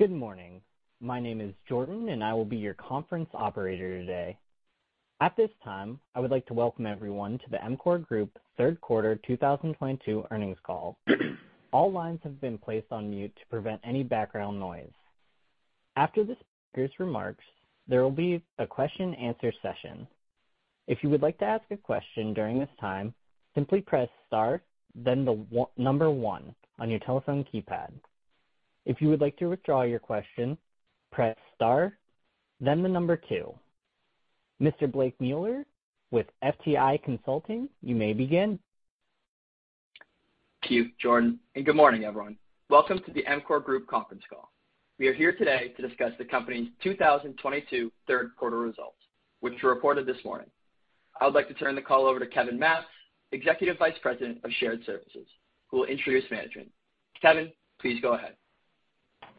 Good morning. My name is Jordan, and I will be your conference operator today. At this time, I would like to welcome everyone to the EMCOR Group third quarter 2022 earnings call. All lines have been placed on mute to prevent any background noise. After the speaker's remarks, there will be a question and answer session. If you would like to ask a question during this time, simply press star then number one on your telephone keypad. If you would like to withdraw your question, press star then the number two. Mr. Blake Mueller with FTI Consulting, you may begin. Thank you, Jordan, and good morning, everyone. Welcome to the EMCOR Group conference call. We are here today to discuss the company's 2022 third quarter results, which were reported this morning. I would like to turn the call over to Kevin Matz, Executive Vice President of Shared Services, who will introduce management. Kevin, please go ahead.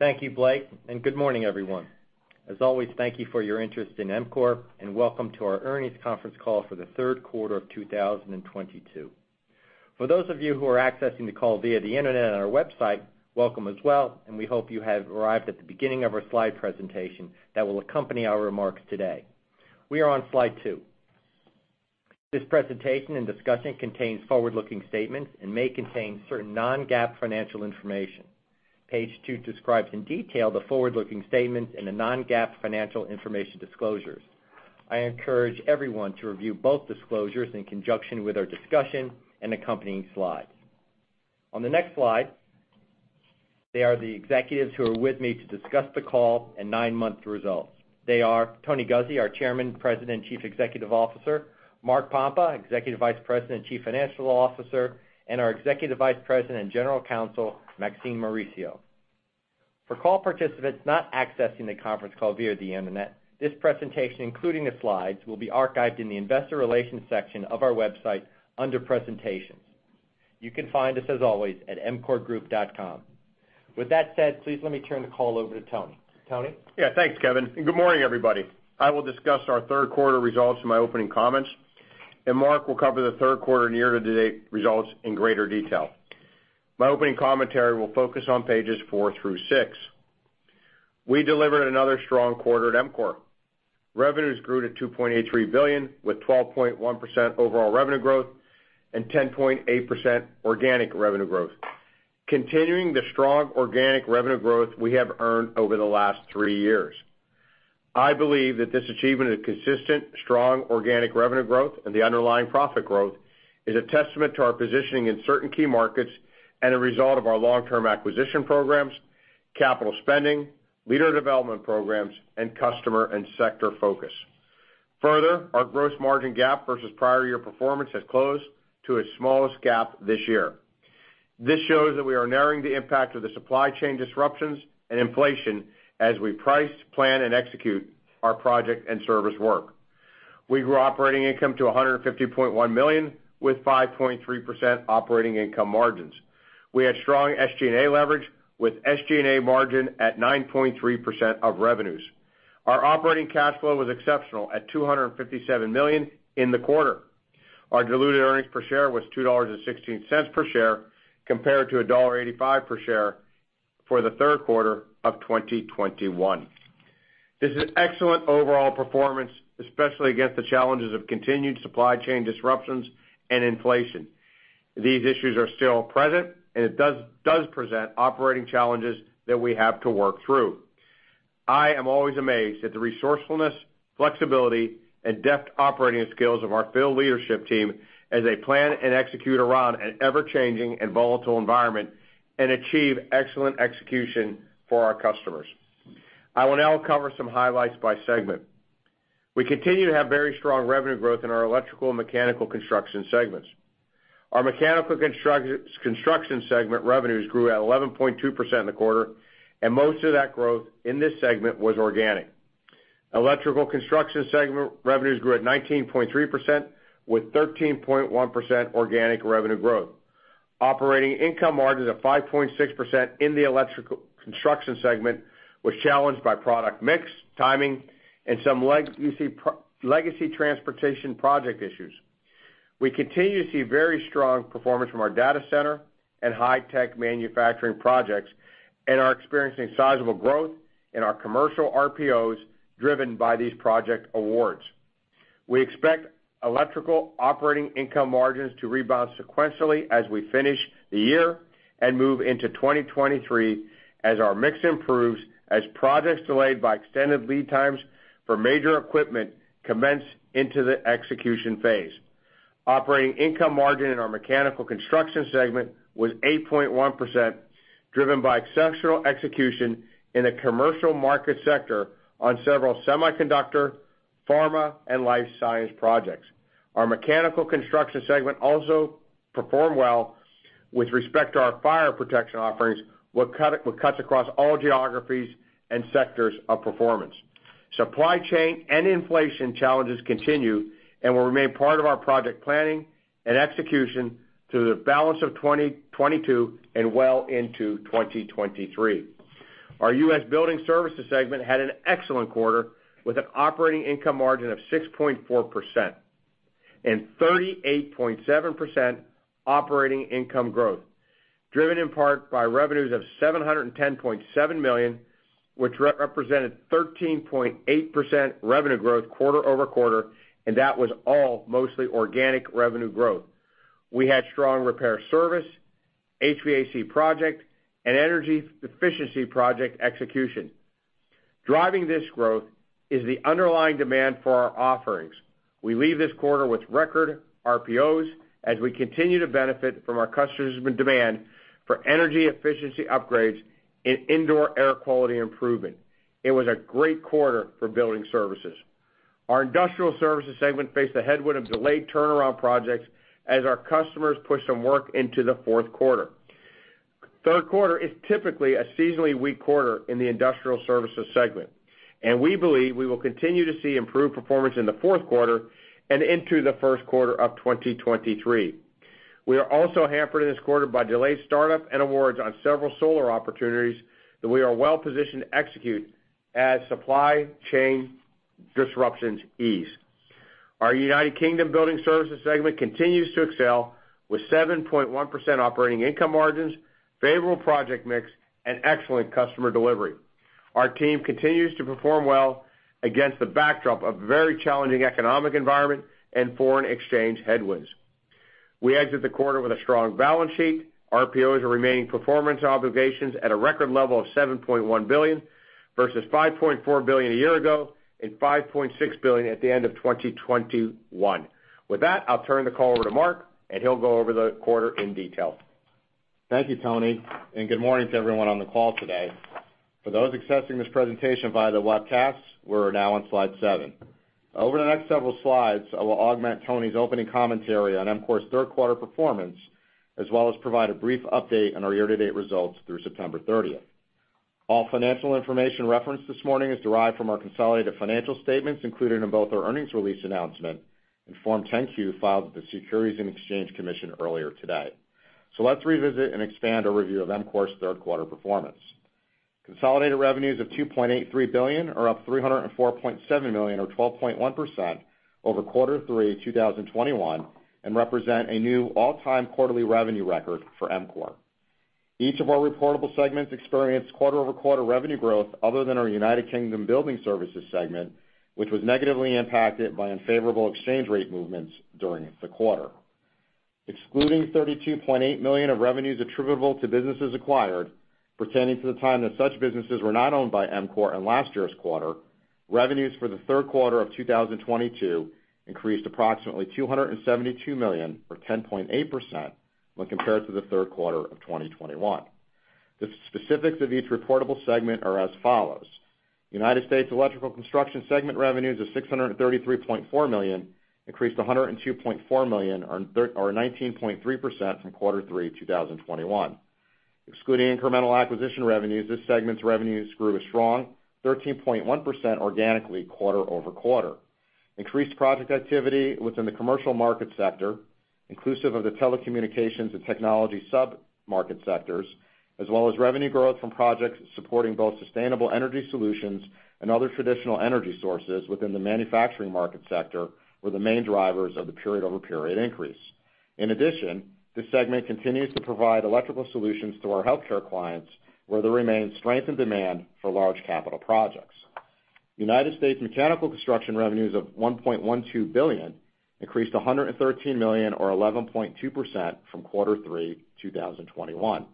Thank you, Blake, and good morning, everyone. As always, thank you for your interest in EMCOR, and welcome to our earnings conference call for the third quarter of 2022. For those of you who are accessing the call via the Internet on our website, welcome as well, and we hope you have arrived at the beginning of our slide presentation that will accompany our remarks today. We are on slide two. This presentation and discussion contains forward-looking statements and may contain certain non-GAAP financial information. Page two describes in detail the forward-looking statements and the non-GAAP financial information disclosures. I encourage everyone to review both disclosures in conjunction with our discussion and accompanying slides. On the next slide, there are the executives who are with me to discuss the quarter and nine-month results. They are Tony Guzzi, our Chairman, President, and Chief Executive Officer, Mark Pompa, Executive Vice President and Chief Financial Officer, and our Executive Vice President and General Counsel, Maxine Mauricio. For call participants not accessing the conference call via the Internet, this presentation, including the slides, will be archived in the investor relations section of our website under presentations. You can find us as always at emcorgroup.com. With that said, please let me turn the call over to Tony. Tony? Yeah. Thanks, Kevin, and good morning, everybody. I will discuss our third quarter results in my opening comments, and Mark will cover the third quarter and year-to-date results in greater detail. My opening commentary will focus on pages four through six. We delivered another strong quarter at EMCOR. Revenues grew to $2.83 billion, with 12.1% overall revenue growth and 10.8% organic revenue growth, continuing the strong organic revenue growth we have earned over the last three years. I believe that this achievement of consistent, strong organic revenue growth and the underlying profit growth is a testament to our positioning in certain key markets and a result of our long-term acquisition programs, capital spending, leader development programs, and customer and sector focus. Further, our gross margin GAAP versus prior year performance has closed to its smallest gap this year. This shows that we are narrowing the impact of the supply chain disruptions and inflation as we price, plan, and execute our project and service work. We grew operating income to $150.1 million with 5.3% operating income margins. We had strong SG&A leverage with SG&A margin at 9.3% of revenues. Our operating cash flow was exceptional at $257 million in the quarter. Our diluted earnings per share was $2.16 per share compared to $1.85 per share for the third quarter of 2021. This is excellent overall performance, especially against the challenges of continued supply chain disruptions and inflation. These issues are still present, and it does present operating challenges that we have to work through. I am always amazed at the resourcefulness, flexibility, and depth operating skills of our field leadership team as they plan and execute around an ever-changing and volatile environment and achieve excellent execution for our customers. I will now cover some highlights by segment. We continue to have very strong revenue growth in our electrical and mechanical construction segments. Our mechanical construction segment revenues grew at 11.2% in the quarter, and most of that growth in this segment was organic. Electrical construction segment revenues grew at 19.3% with 13.1% organic revenue growth. Operating income margins of 5.6% in the electrical construction segment was challenged by product mix, timing, and some legacy transportation project issues. We continue to see very strong performance from our data center and high-tech manufacturing projects and are experiencing sizable growth in our commercial RPOs driven by these project awards. We expect electrical operating income margins to rebound sequentially as we finish the year and move into 2023 as our mix improves, as projects delayed by extended lead times for major equipment commence into the execution phase. Operating income margin in our mechanical construction segment was 8.1%, driven by exceptional execution in the commercial market sector on several semiconductor, pharma, and life science projects. Our mechanical construction segment also performed well with respect to our fire protection offerings that cuts across all geographies and sectors of performance. Supply chain and inflation challenges continue and will remain part of our project planning and execution through the balance of 2022 and well into 2023. Our U.S. building services segment had an excellent quarter with an operating income margin of 6.4%. 38.7% Operating income growth, driven in part by revenues of $710.7 million, which represented 13.8% revenue growth quarter-over-quarter, and that was all mostly organic revenue growth. We had strong repair service, HVAC project, and energy efficiency project execution. Driving this growth is the underlying demand for our offerings. We leave this quarter with record RPOs as we continue to benefit from our customers' demand for energy efficiency upgrades in indoor air quality improvement. It was a great quarter for building services. Our industrial services segment faced a headwind of delayed turnaround projects as our customers pushed some work into the fourth quarter. Third quarter is typically a seasonally weak quarter in the industrial services segment, and we believe we will continue to see improved performance in the fourth quarter and into the first quarter of 2023. We are also hampered in this quarter by delayed startup and awards on several solar opportunities that we are well-positioned to execute as supply chain disruptions ease. Our United Kingdom Building Services segment continues to excel with 7.1% operating income margins, favorable project mix, and excellent customer delivery. Our team continues to perform well against the backdrop of very challenging economic environment and foreign exchange headwinds. We exit the quarter with a strong balance sheet. RPOs are Remaining Performance Obligations at a record level of $7.1 billion versus $5.4 billion a year ago and $5.6 billion at the end of 2021. With that, I'll turn the call over to Mark, and he'll go over the quarter in detail. Thank you, Tony, and good morning to everyone on the call today. For those accessing this presentation via the webcast, we're now on slide seven. Over the next several slides, I will augment Tony's opening commentary on EMCOR's third quarter performance, as well as provide a brief update on our year-to-date results through September 30. All financial information referenced this morning is derived from our consolidated financial statements included in both our earnings release announcement and Form 10-Q filed with the Securities and Exchange Commission earlier today. Let's revisit and expand our review of EMCOR's third quarter performance. Consolidated revenues of $2.83 billion are up $304.7 million or 12.1% over Q3 2021 and represent a new all-time quarterly revenue record for EMCOR. Each of our reportable segments experienced quarter-over-quarter revenue growth other than our United Kingdom Building Services segment, which was negatively impacted by unfavorable exchange rate movements during the quarter. Excluding $32.8 million of revenues attributable to businesses acquired, pretending for the time that such businesses were not owned by EMCOR in last year's quarter, revenues for the third quarter of 2022 increased approximately $272 million or 10.8% when compared to the third quarter of 2021. The specifics of each reportable segment are as follows. United States Electrical Construction segment revenues of $633.4 million increased $102.4 million or nineteen point three percent from quarter three 2021. Excluding incremental acquisition revenues, this segment's revenues grew a strong 13.1% organically quarter-over-quarter. Increased project activity within the commercial market sector, inclusive of the telecommunications and technology sub-market sectors, as well as revenue growth from projects supporting both sustainable energy solutions and other traditional energy sources within the manufacturing market sector were the main drivers of the period-over-period increase. In addition, this segment continues to provide electrical solutions to our healthcare clients, where there remains strength and demand for large capital projects. United States Mechanical Construction revenues of $1.12 billion increased $113 million or 11.2% from quarter three 2021.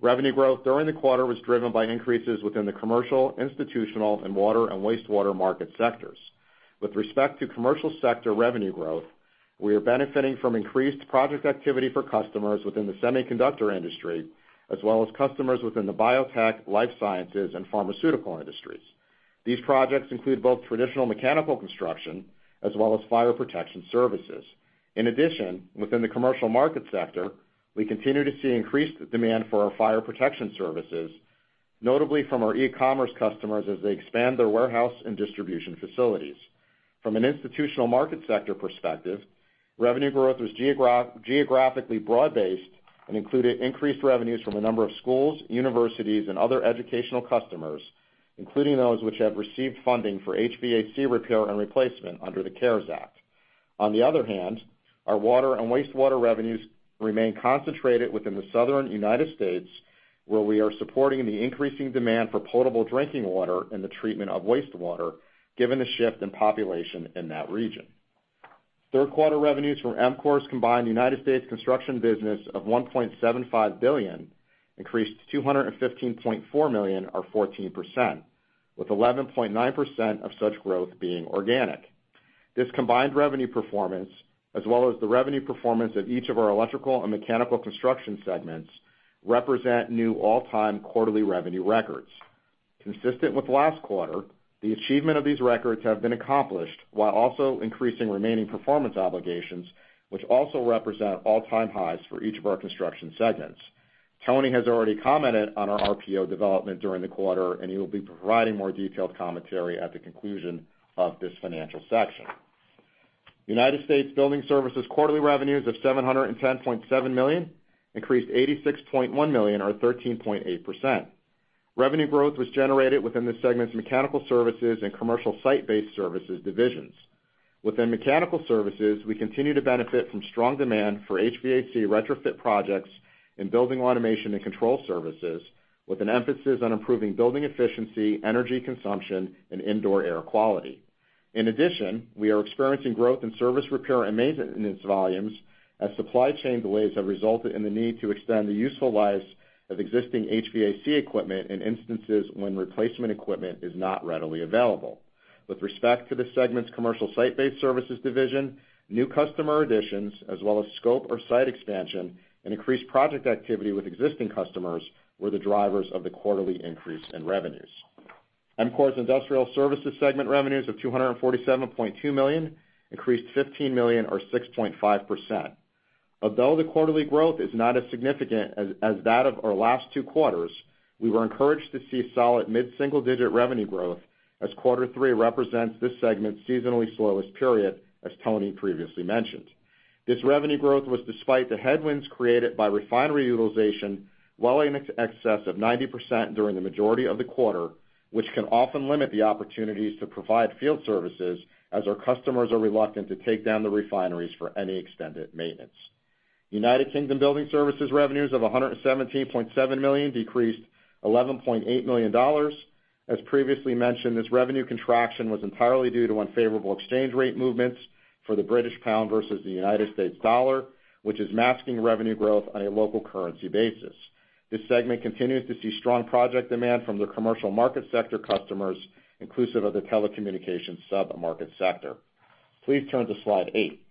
Revenue growth during the quarter was driven by increases within the commercial, institutional, and water and wastewater market sectors. With respect to commercial sector revenue growth, we are benefiting from increased project activity for customers within the semiconductor industry, as well as customers within the biotech, life sciences, and pharmaceutical industries. These projects include both traditional mechanical construction as well as fire protection services. In addition, within the commercial market sector, we continue to see increased demand for our fire protection services, notably from our e-commerce customers as they expand their warehouse and distribution facilities. From an institutional market sector perspective, revenue growth was geographically broad-based and included increased revenues from a number of schools, universities, and other educational customers, including those which have received funding for HVAC repair and replacement under the CARES Act. On the other hand, our water and wastewater revenues remain concentrated within the Southern United States, where we are supporting the increasing demand for potable drinking water and the treatment of wastewater, given the shift in population in that region. Third quarter revenues from EMCOR's combined United States construction business increased $215.4 million, or 14%, to $1.75 billion, with 11.9% of such growth being organic. This combined revenue performance, as well as the revenue performance of each of our electrical and mechanical construction segments, represent new all-time quarterly revenue records. Consistent with last quarter, the achievement of these records have been accomplished while also increasing remaining performance obligations, which also represent all-time highs for each of our construction segments. Tony has already commented on our RPO development during the quarter, and he will be providing more detailed commentary at the conclusion of this financial section. United States Building Services quarterly revenues of $710.7 million increased $86.1 million or 13.8%. Revenue growth was generated within the segment's mechanical services and commercial site-based services divisions. Within mechanical services, we continue to benefit from strong demand for HVAC retrofit projects in building automation and control services, with an emphasis on improving building efficiency, energy consumption, and indoor air quality. In addition, we are experiencing growth in service repair and maintenance volumes as supply chain delays have resulted in the need to extend the useful lives of existing HVAC equipment in instances when replacement equipment is not readily available. With respect to the segment's commercial site-based services division, new customer additions as well as scope or site expansion and increased project activity with existing customers were the drivers of the quarterly increase in revenues. EMCOR's industrial services segment revenues of $247.2 million increased $15 million or 6.5%. Although the quarterly growth is not as significant as that of our last two quarters, we were encouraged to see solid mid-single-digit revenue growth as quarter three represents this segment's seasonally slowest period, as Tony previously mentioned. This revenue growth was despite the headwinds created by refinery utilization well in excess of 90% during the majority of the quarter, which can often limit the opportunities to provide field services as our customers are reluctant to take down the refineries for any extended maintenance. United Kingdom Building Services revenues of $117.7 million decreased $11.8 million. As previously mentioned, this revenue contraction was entirely due to unfavorable exchange rate movements for the British pound versus the United States dollar, which is masking revenue growth on a local currency basis. This segment continues to see strong project demand from the commercial market sector customers, inclusive of the telecommunications sub-market sector. Please turn to slide eight.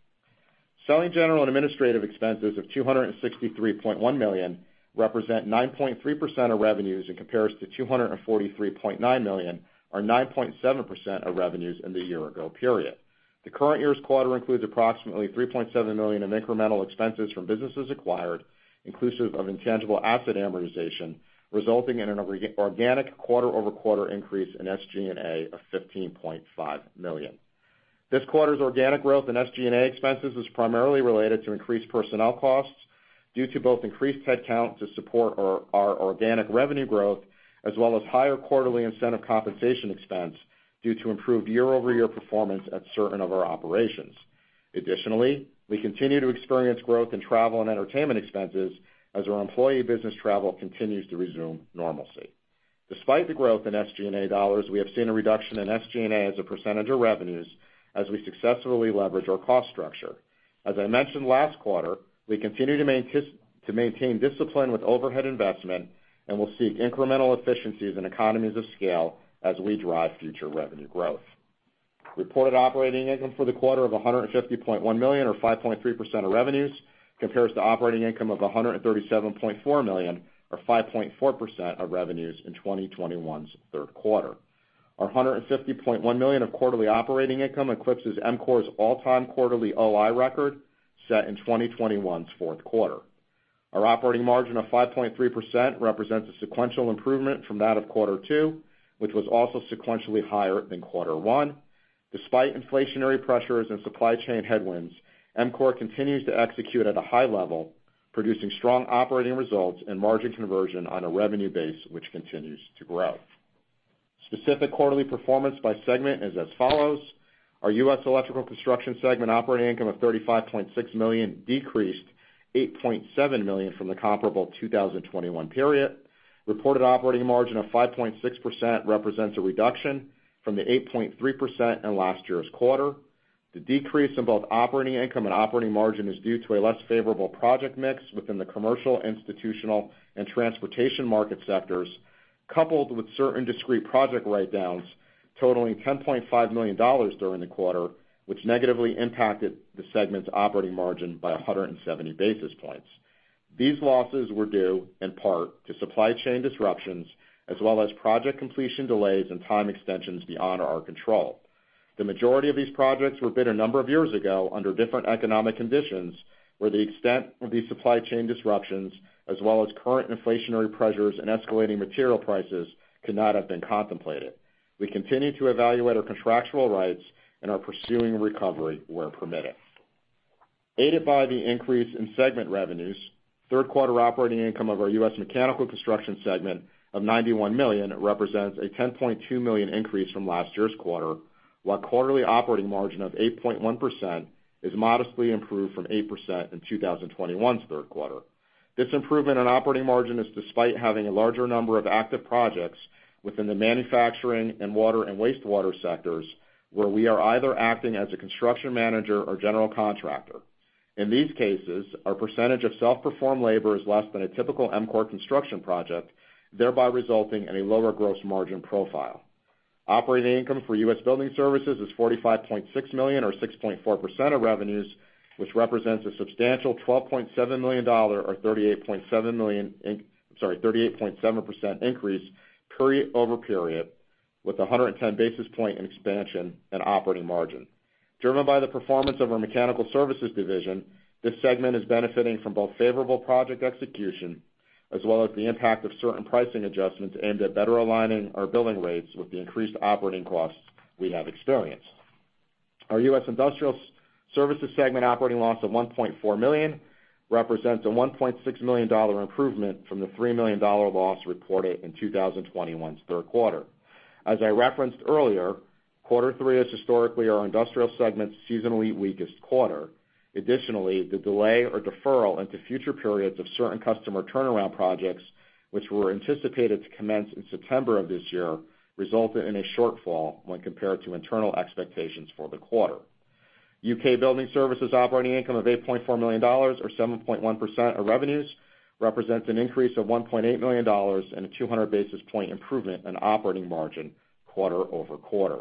Selling, general, and administrative expenses of $263.1 million represent 9.3% of revenues in comparison to $243.9 million or 9.7% of revenues in the year-ago period. The current year's quarter includes approximately $3.7 million in incremental expenses from businesses acquired, inclusive of intangible asset amortization, resulting in an organic quarter-over-quarter increase in SG&A of $15.5 million. This quarter's organic growth in SG&A expenses is primarily related to increased personnel costs due to both increased headcount to support our organic revenue growth as well as higher quarterly incentive compensation expense due to improved year-over-year performance at certain of our operations. Additionally, we continue to experience growth in travel and entertainment expenses as our employee business travel continues to resume normalcy. Despite the growth in SG&A dollars, we have seen a reduction in SG&A as a percentage of revenues as we successfully leverage our cost structure. As I mentioned last quarter, we continue to maintain discipline with overhead investment, and we'll seek incremental efficiencies and economies of scale as we drive future revenue growth. Reported operating income for the quarter of $150.1 million or 5.3% of revenues compares to operating income of $137.4 million or 5.4% of revenues in 2021's third quarter. Our $150.1 million of quarterly operating income eclipses EMCOR's all-time quarterly OI record set in 2021's fourth quarter. Our operating margin of 5.3% represents a sequential improvement from that of quarter two, which was also sequentially higher than quarter one. Despite inflationary pressures and supply chain headwinds, EMCOR continues to execute at a high level, producing strong operating results and margin conversion on a revenue base which continues to grow. Specific quarterly performance by segment is as follows. Our U.S. Electrical construction segment operating income of $35.6 million decreased $8.7 million from the comparable 2021 period. Reported operating margin of 5.6% represents a reduction from the 8.3% in last year's quarter. The decrease in both operating income and operating margin is due to a less favorable project mix within the commercial, institutional, and transportation market sectors, coupled with certain discrete project write-downs totaling $10.5 million during the quarter, which negatively impacted the segment's operating margin by 170 basis points. These losses were due in part to supply chain disruptions as well as project completion delays and time extensions beyond our control. The majority of these projects were bid a number of years ago under different economic conditions, where the extent of these supply chain disruptions, as well as current inflationary pressures and escalating material prices, could not have been contemplated. We continue to evaluate our contractual rights and are pursuing recovery where permitted. Aided by the increase in segment revenues, third quarter operating income of our U.S. mechanical construction segment of $91 million represents a $10.2 million increase from last year's quarter, while quarterly operating margin of 8.1% is modestly improved from 8% in 2021's third quarter. This improvement in operating margin is despite having a larger number of active projects within the manufacturing and water and wastewater sectors, where we are either acting as a construction manager or general contractor. In these cases, our percentage of self-performed labor is less than a typical EMCOR construction project, thereby resulting in a lower gross margin profile. Operating income for U.S. Building Services is $45.6 million or 6.4% of revenues, which represents a substantial $12.7 million or 38.7% increase period-over-period, with 110 basis point expansion in operating margin. Driven by the performance of our mechanical services division, this segment is benefiting from both favorable project execution as well as the impact of certain pricing adjustments aimed at better aligning our billing rates with the increased operating costs we have experienced. Our U.S. Industrial Services segment operating loss of $1.4 million represents a $1.6 million improvement from the $3 million loss reported in 2021's third quarter. As I referenced earlier, quarter three is historically our industrial segment's seasonally weakest quarter. Additionally, the delay or deferral into future periods of certain customer turnaround projects, which were anticipated to commence in September of this year, resulted in a shortfall when compared to internal expectations for the quarter. U.K. Building Services operating income of $8.4 million or 7.1% of revenues represents an increase of $1.8 million and a 200 basis point improvement in operating margin quarter-over-quarter.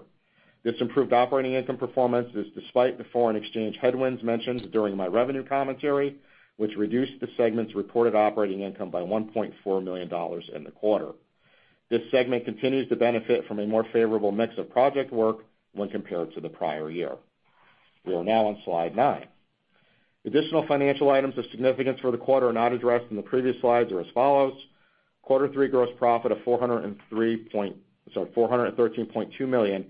This improved operating income performance is despite the foreign exchange headwinds mentioned during my revenue commentary, which reduced the segment's reported operating income by $1.4 million in the quarter. This segment continues to benefit from a more favorable mix of project work when compared to the prior year. We are now on slide nine. Additional financial items of significance for the quarter not addressed in the previous slides are as follows. Quarter three gross profit of $413.2 million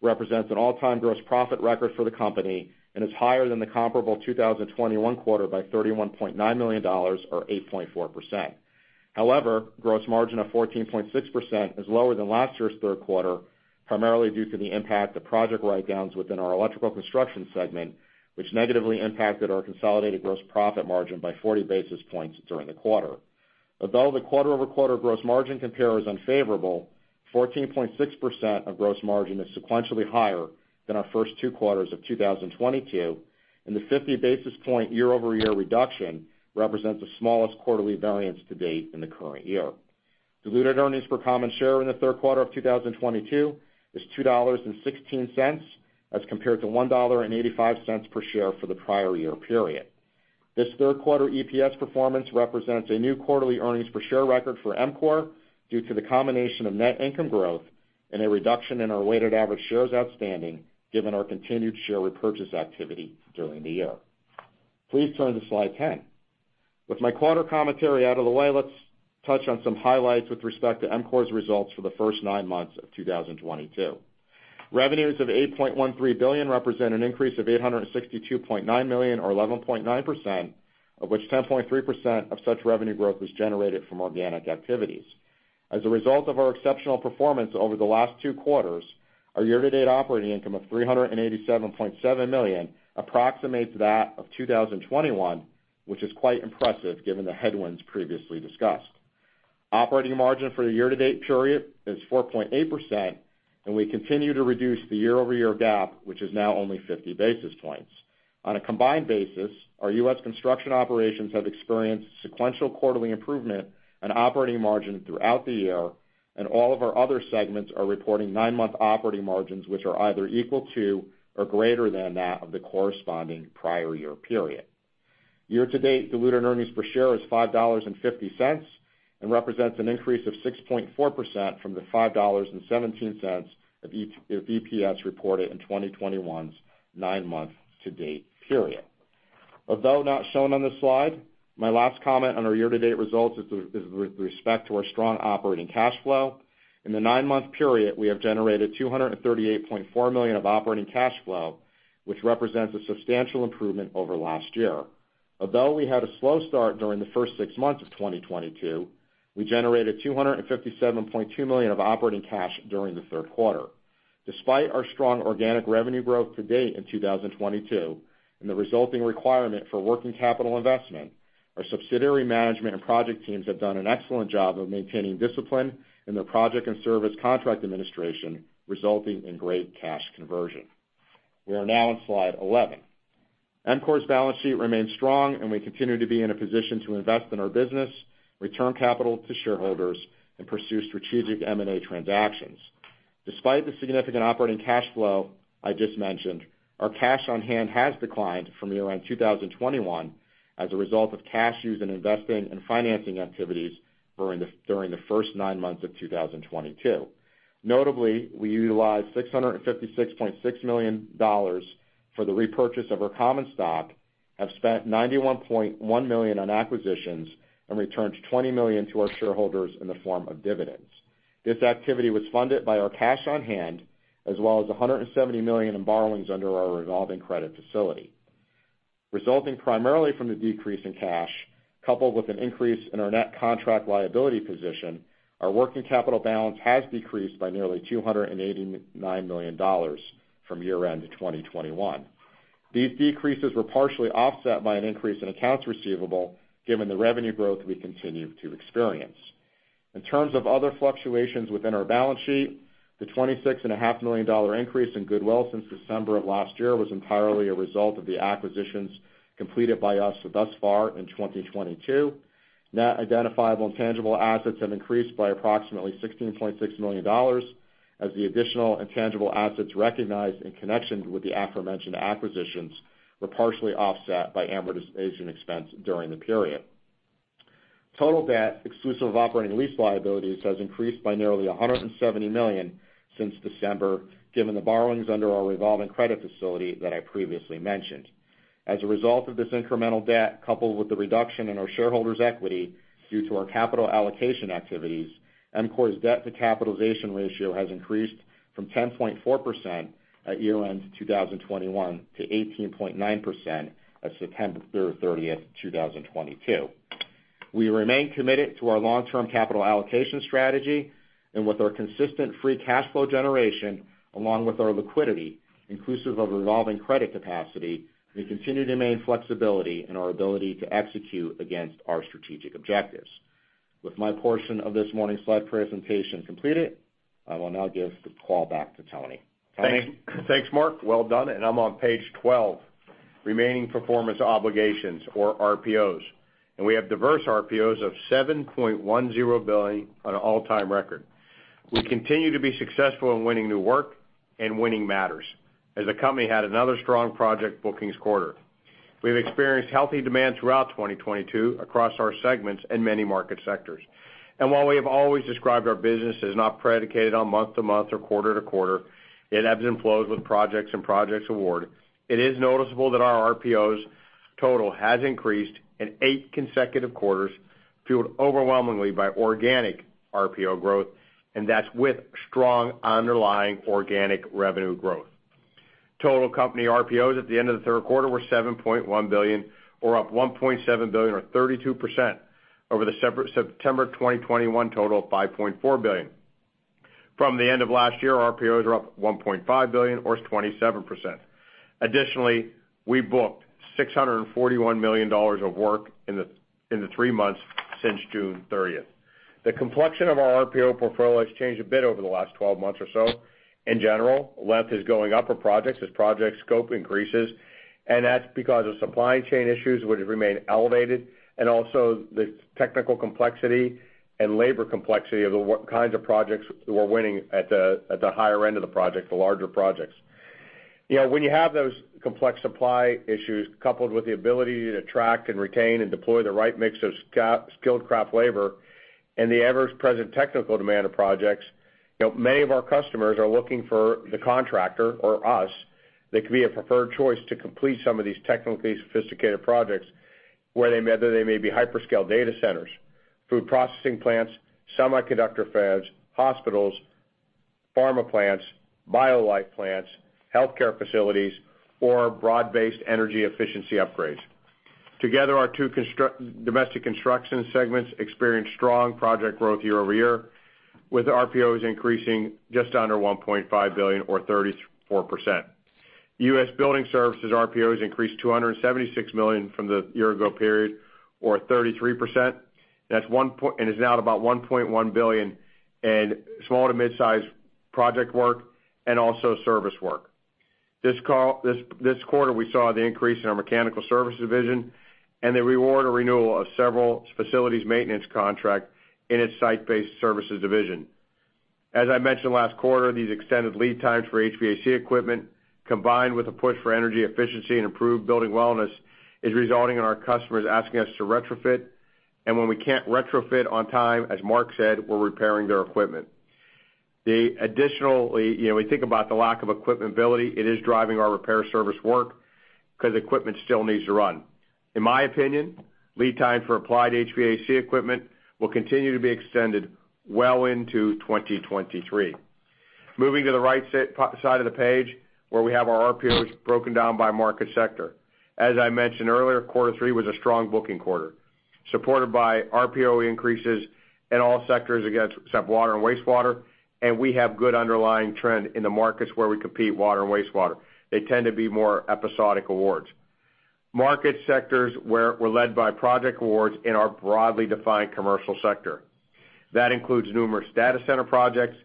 represents an all-time gross profit record for the company, and is higher than the comparable 2021 quarter by $31.9 million or 8.4%. However, gross margin of 14.6% is lower than last year's third quarter, primarily due to the impact of project write-downs within our electrical construction segment, which negatively impacted our consolidated gross profit margin by 40 basis points during the quarter. Although the quarter-over-quarter gross margin compare is unfavorable, 14.6% gross margin is sequentially higher than our first two quarters of 2022, and the 50 basis point year-over-year reduction represents the smallest quarterly variance to date in the current year. Diluted earnings per common share in the third quarter of 2022 is $2.16, as compared to $1.85 per share for the prior year period. This third quarter EPS performance represents a new quarterly earnings per share record for EMCOR due to the combination of net income growth and a reduction in our weighted average shares outstanding, given our continued share repurchase activity during the year. Please turn to slide 10. With my quarter commentary out of the way, let's touch on some highlights with respect to EMCOR's results for the first nine months of 2022. Revenues of $8.13 billion represent an increase of $862.9 million or 11.9%, of which 10.3% of such revenue growth was generated from organic activities. As a result of our exceptional performance over the last two quarters, our year-to-date operating income of $387.7 million approximates that of 2021, which is quite impressive given the headwinds previously discussed. Operating margin for the year-to-date period is 4.8%, and we continue to reduce the year-over-year gap, which is now only 50 basis points. On a combined basis, our U.S. construction operations have experienced sequential quarterly improvement and operating margin throughout the year, and all of our other segments are reporting nine-month operating margins, which are either equal to or greater than that of the corresponding prior year period. Year to date, diluted earnings per share is $5.50 and represents an increase of 6.4% from the $5.17 of EPS reported in 2021's nine-month-to-date period. Although not shown on this slide, my last comment on our year-to-date results is with respect to our strong operating cash flow. In the nine-month period, we have generated $238.4 million of operating cash flow, which represents a substantial improvement over last year. Although we had a slow start during the first six months of 2022, we generated $257.2 million of operating cash during the third quarter. Despite our strong organic revenue growth to date in 2022 and the resulting requirement for working capital investment, our subsidiary management and project teams have done an excellent job of maintaining discipline in their project and service contract administration, resulting in great cash conversion. We are now on slide 11. EMCOR's balance sheet remains strong and we continue to be in a position to invest in our business, return capital to shareholders, and pursue strategic M&A transactions. Despite the significant operating cash flow I just mentioned, our cash on hand has declined from year-end 2021 as a result of cash used in investing and financing activities during the first nine months of 2022. Notably, we utilized $656.6 million for the repurchase of our common stock, have spent $91.1 million on acquisitions, and returned $20 million to our shareholders in the form of dividends. This activity was funded by our cash on hand as well as $170 million in borrowings under our revolving credit facility. Resulting primarily from the decrease in cash, coupled with an increase in our net contract liability position, our working capital balance has decreased by nearly $289 million from year-end in 2021. These decreases were partially offset by an increase in accounts receivable given the revenue growth we continue to experience. In terms of other fluctuations within our balance sheet, the $26.5 million increase in goodwill since December of last year was entirely a result of the acquisitions completed by us thus far in 2022. Net identifiable intangible assets have increased by approximately $16.6 million as the additional intangible assets recognized in connection with the aforementioned acquisitions were partially offset by amortization expense during the period. Total debt, exclusive of operating lease liabilities, has increased by nearly $170 million since December, given the borrowings under our revolving credit facility that I previously mentioned. As a result of this incremental debt, coupled with the reduction in our shareholders' equity due to our capital allocation activities, EMCOR's debt to capitalization ratio has increased from 10.4% at year-end 2021 to 18.9% as of September 30, 2022. We remain committed to our long-term capital allocation strategy, and with our consistent free cash flow generation, along with our liquidity, inclusive of revolving credit capacity, we continue to maintain flexibility in our ability to execute against our strategic objectives. With my portion of this morning's slide presentation completed, I will now give the call back to Tony. Tony? Thanks, Mark. Well done. I'm on page 12, remaining performance obligations or RPOs. We have diverse RPOs of $7.10 billion on an all-time record. We continue to be successful in winning new work and winning matters, as the company had another strong project bookings quarter. We've experienced healthy demand throughout 2022 across our segments and many market sectors. While we have always described our business as not predicated on month-to-month or quarter-to-quarter, it ebbs and flows with projects and project awards. It is noticeable that our RPOs total has increased in eight consecutive quarters, fueled overwhelmingly by organic RPO growth, and that's with strong underlying organic revenue growth. Total company RPOs at the end of the third quarter were $7.1 billion or up $1.7 billion or 32% over the September 2021 total of $5.4 billion. From the end of last year, RPOs are up $1.5 billion or 27%. Additionally, we booked $641 million of work in the three months since June thirtieth. The complexion of our RPO portfolio has changed a bit over the last twelve months or so. In general, length is going up for projects as project scope increases, and that's because of supply chain issues which remain elevated and also the technical complexity and labor complexity of the what kinds of projects we're winning at the higher end of the project, the larger projects. You know, when you have those complex supply issues coupled with the ability to attract and retain and deploy the right mix of skilled craft labor and the ever-present technical demand of projects, you know, many of our customers are looking for the contractor or us that can be a preferred choice to complete some of these technically sophisticated projects, whether they may be hyperscale data centers, food processing plants, semiconductor fabs, hospitals, pharma plants, bio life plants, healthcare facilities, or broad-based energy efficiency upgrades. Together, our two domestic construction segments experienced strong project growth year-over-year, with RPOs increasing just under $1.5 billion or 34%. U.S. building services RPOs increased $276 million from the year ago period or 33%. That's one point... It is now at about $1.1 billion in small to mid-size project work and also service work. This quarter, we saw the increase in our mechanical services division and the award or renewal of several facilities maintenance contracts in its site-based services division. As I mentioned last quarter, these extended lead times for HVAC equipment, combined with a push for energy efficiency and improved building wellness, is resulting in our customers asking us to retrofit. When we can't retrofit on time, as Mark said, we're repairing their equipment. Additionally, you know, we think about the lack of equipment availability, it is driving our repair service work 'cause equipment still needs to run. In my opinion, lead time for applied HVAC equipment will continue to be extended well int 2023. Moving to the right side of the page where we have our RPOs broken down by market sector. As I mentioned earlier, quarter three was a strong booking quarter, supported by RPO increases in all sectors except water and wastewater, and we have good underlying trend in the markets where we compete in water and wastewater. They tend to be more episodic awards. Market sectors were led by project awards in our broadly defined commercial sector. That includes numerous data center projects,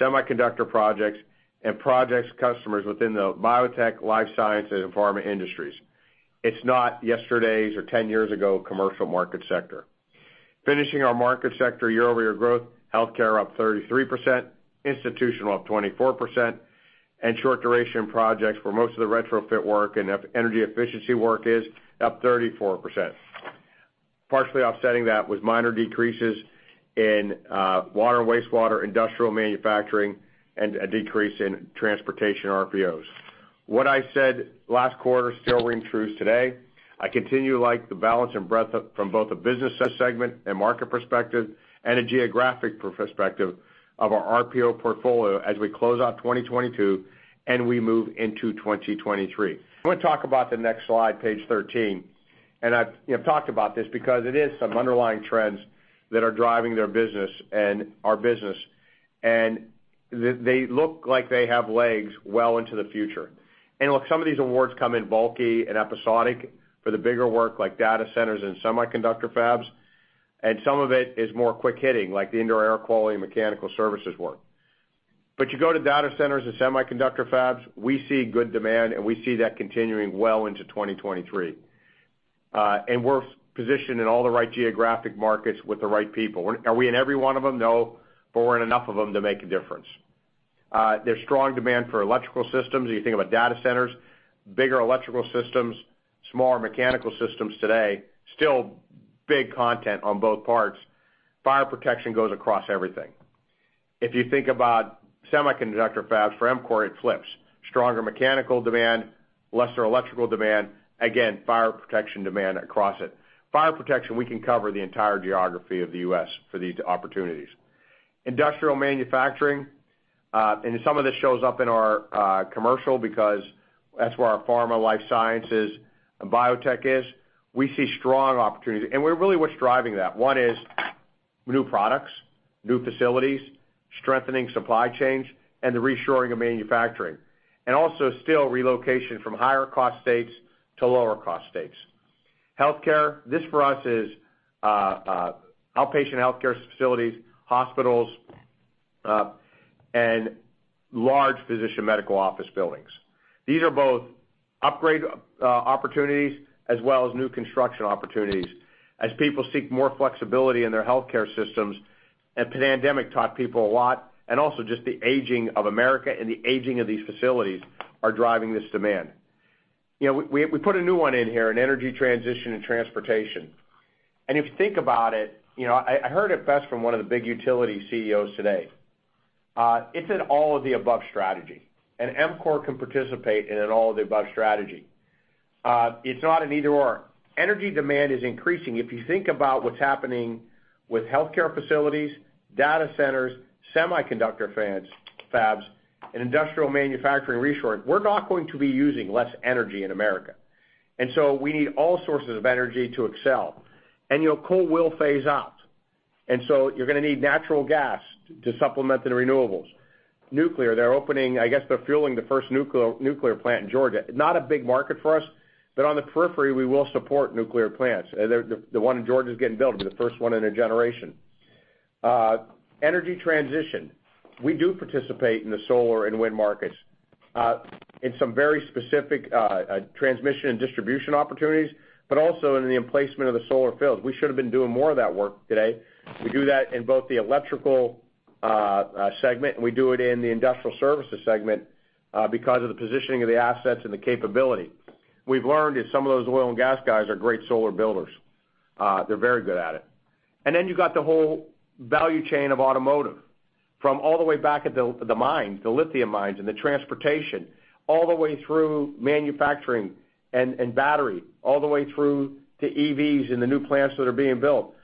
semiconductor projects, and projects for customers within the biotech, life sciences, and pharma industries. It's not yesterday's or ten years ago commercial market sector. Finishing our market sector year-over-year growth, healthcare up 33%, institutional up 24%, and short duration projects where most of the retrofit work and energy efficiency work is up 34%. Partially offsetting that was minor decreases in water and wastewater, industrial manufacturing, and a decrease in transportation RPOs. What I said last quarter still rings true today. I continue to like the balance and breadth from both a business segment and market perspective and a geographic perspective of our RPO portfolio as we close out 2022 and we move into 2023. I want to talk about the next slide, page 13, and I've talked about this because it is some underlying trends that are driving their business and our business, and they look like they have legs well into the future. Look, some of these awards come in bulky and episodic for the bigger work like data centers and semiconductor fabs, and some of it is more quick hitting, like the indoor air quality and mechanical services work. You go to data centers and semiconductor fabs, we see good demand, and we see that continuing well into 2023. And we're positioned in all the right geographic markets with the right people. Are we in every one of them? No, but we're in enough of them to make a difference. There's strong demand for electrical systems. You think about data centers, bigger electrical systems, smaller mechanical systems today, still big content on both parts. Fire protection goes across everything. If you think about semiconductor fabs, for EMCOR, it flips. Stronger mechanical demand, lesser electrical demand, again, fire protection demand across it. Fire protection, we can cover the entire geography of the U.S. for these opportunities. Industrial manufacturing, and some of this shows up in our commercial because that's where our pharma life sciences and biotech is. We see strong opportunities, and we're really what's driving that. One is new products, new facilities, strengthening supply chains, and the reshoring of manufacturing. We also still see relocation from higher cost states to lower cost states. Healthcare, this for us is outpatient healthcare facilities, hospitals, and large physician medical office buildings. These are both upgrade opportunities as well as new construction opportunities as people seek more flexibility in their healthcare systems, and pandemic taught people a lot, and also just the aging of America and the aging of these facilities are driving this demand. You know, we put a new one in here, an energy transition and transportation. If you think about it, you know, I heard it best from one of the big utility CEOs today. It's an all of the above strategy, and EMCOR can participate in an all of the above strategy. It's not an either/or. Energy demand is increasing. If you think about what's happening with healthcare facilities, data centers, semiconductor fabs, and industrial manufacturing reshore, we're not going to be using less energy in America. We need all sources of energy to excel, and, you know, coal will phase out. You're gonna need natural gas to supplement the renewables. Nuclear, they're fueling the first nuclear plant in Georgia. Not a big market for us, but on the periphery, we will support nuclear plants. The one in Georgia is getting built, it'll be the first one in a generation. Energy transition. We do participate in the solar and wind markets in some very specific transmission and distribution opportunities, but also in the emplacement of the solar fields. We should have been doing more of that work today. We do that in both the electrical segment, and we do it in the industrial services segment because of the positioning of the assets and the capability. We've learned is some of those oil and gas guys are great solar builders. They're very good at it. Then you got the whole value chain of automotive from all the way back at the mine, the lithium mines and the transportation, all the way through manufacturing and battery, all the way through to EVs and the new plants that are being built,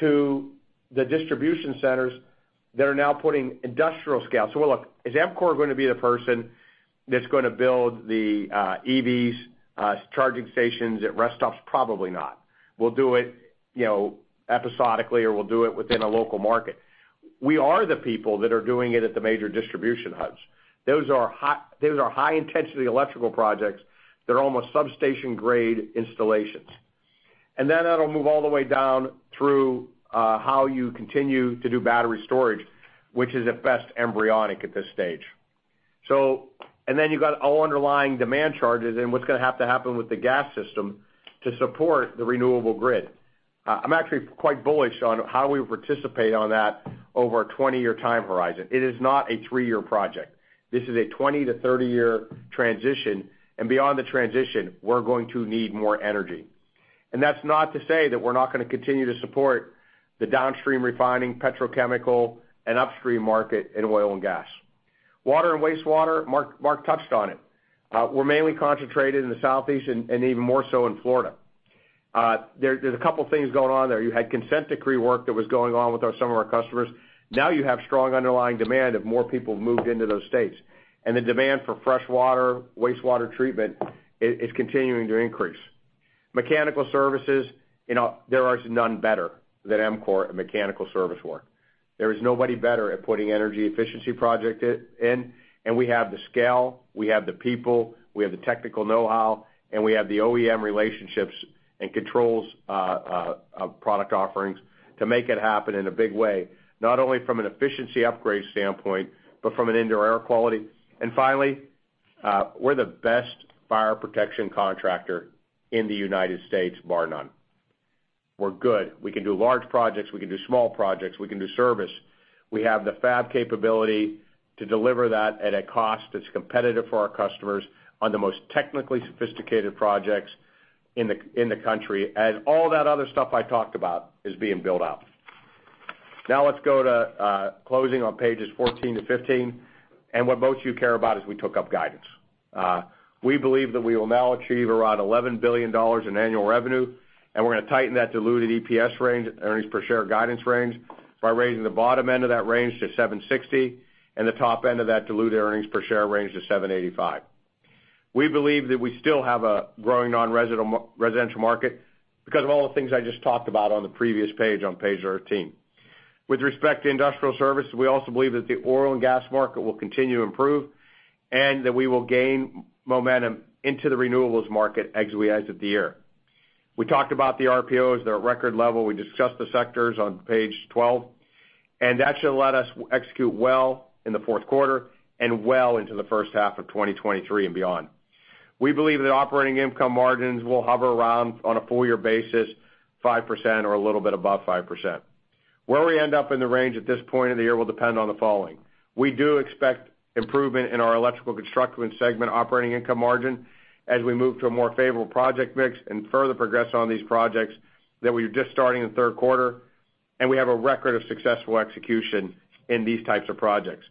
to the distribution centers that are now putting industrial scale. Look, is EMCOR gonna be the person that's gonna build the EVs charging stations at rest stops? Probably not. We'll do it, you know, episodically, or we'll do it within a local market. We are the people that are doing it at the major distribution hubs. Those are high intensity electrical projects that are almost substation grade installations. Then that'll move all the way down through how you continue to do battery storage, which is at best embryonic at this stage. Then you've got all underlying demand charges and what's gonna have to happen with the gas system to support the renewable grid. I'm actually quite bullish on how we participate on that over a 20-year time horizon. It is not a three-year project. This is a 20-30-year transition, and beyond the transition, we're going to need more energy. That's not to say that we're not gonna continue to support the downstream refining petrochemical and upstream market in oil and gas. Water and wastewater, Mark touched on it. We're mainly concentrated in the southeast and even more so in Florida. There's a couple things going on there. You had consent decree work that was going on with our some of our customers. Now you have strong underlying demand of more people moved into those states, and the demand for fresh water, wastewater treatment is continuing to increase. Mechanical services, you know, there is none better than EMCOR at mechanical service work. There is nobody better at putting energy efficiency project in, and we have the scale, we have the people, we have the technical know-how, and we have the OEM relationships and controls, product offerings to make it happen in a big way, not only from an efficiency upgrade standpoint, but from an indoor air quality. Finally, we're the best fire protection contractor in the United States, bar none. We're good. We can do large projects, we can do small projects, we can do service. We have the fab capability to deliver that at a cost that's competitive for our customers on the most technically sophisticated projects in the country, and all that other stuff I talked about is being built out. Now let's go to closing on pages 14-15. What most of you care about is we took up guidance. We believe that we will now achieve around $11 billion in annual revenue, and we're gonna tighten that diluted EPS range, earnings per share guidance range, by raising the bottom end of that range to $7.60, and the top end of that diluted earnings per share range to $7.85. We believe that we still have a growing nonresidential market because of all the things I just talked about on the previous page, on page 13. With respect to industrial services, we also believe that the oil and gas market will continue to improve and that we will gain momentum into the renewables market as we exit the year. We talked about the RPOs, they're at record level. We discussed the sectors on page 12. That should let us execute well in the fourth quarter and well into the first half of 2023 and beyond. We believe that operating income margins will hover around, on a full year basis, 5% or a little bit above 5%. Where we end up in the range at this point in the year will depend on the following. We do expect improvement in our electrical construction segment operating income margin as we move to a more favorable project mix and further progress on these projects that we're just starting in the third quarter, and we have a record of successful execution in these types of projects.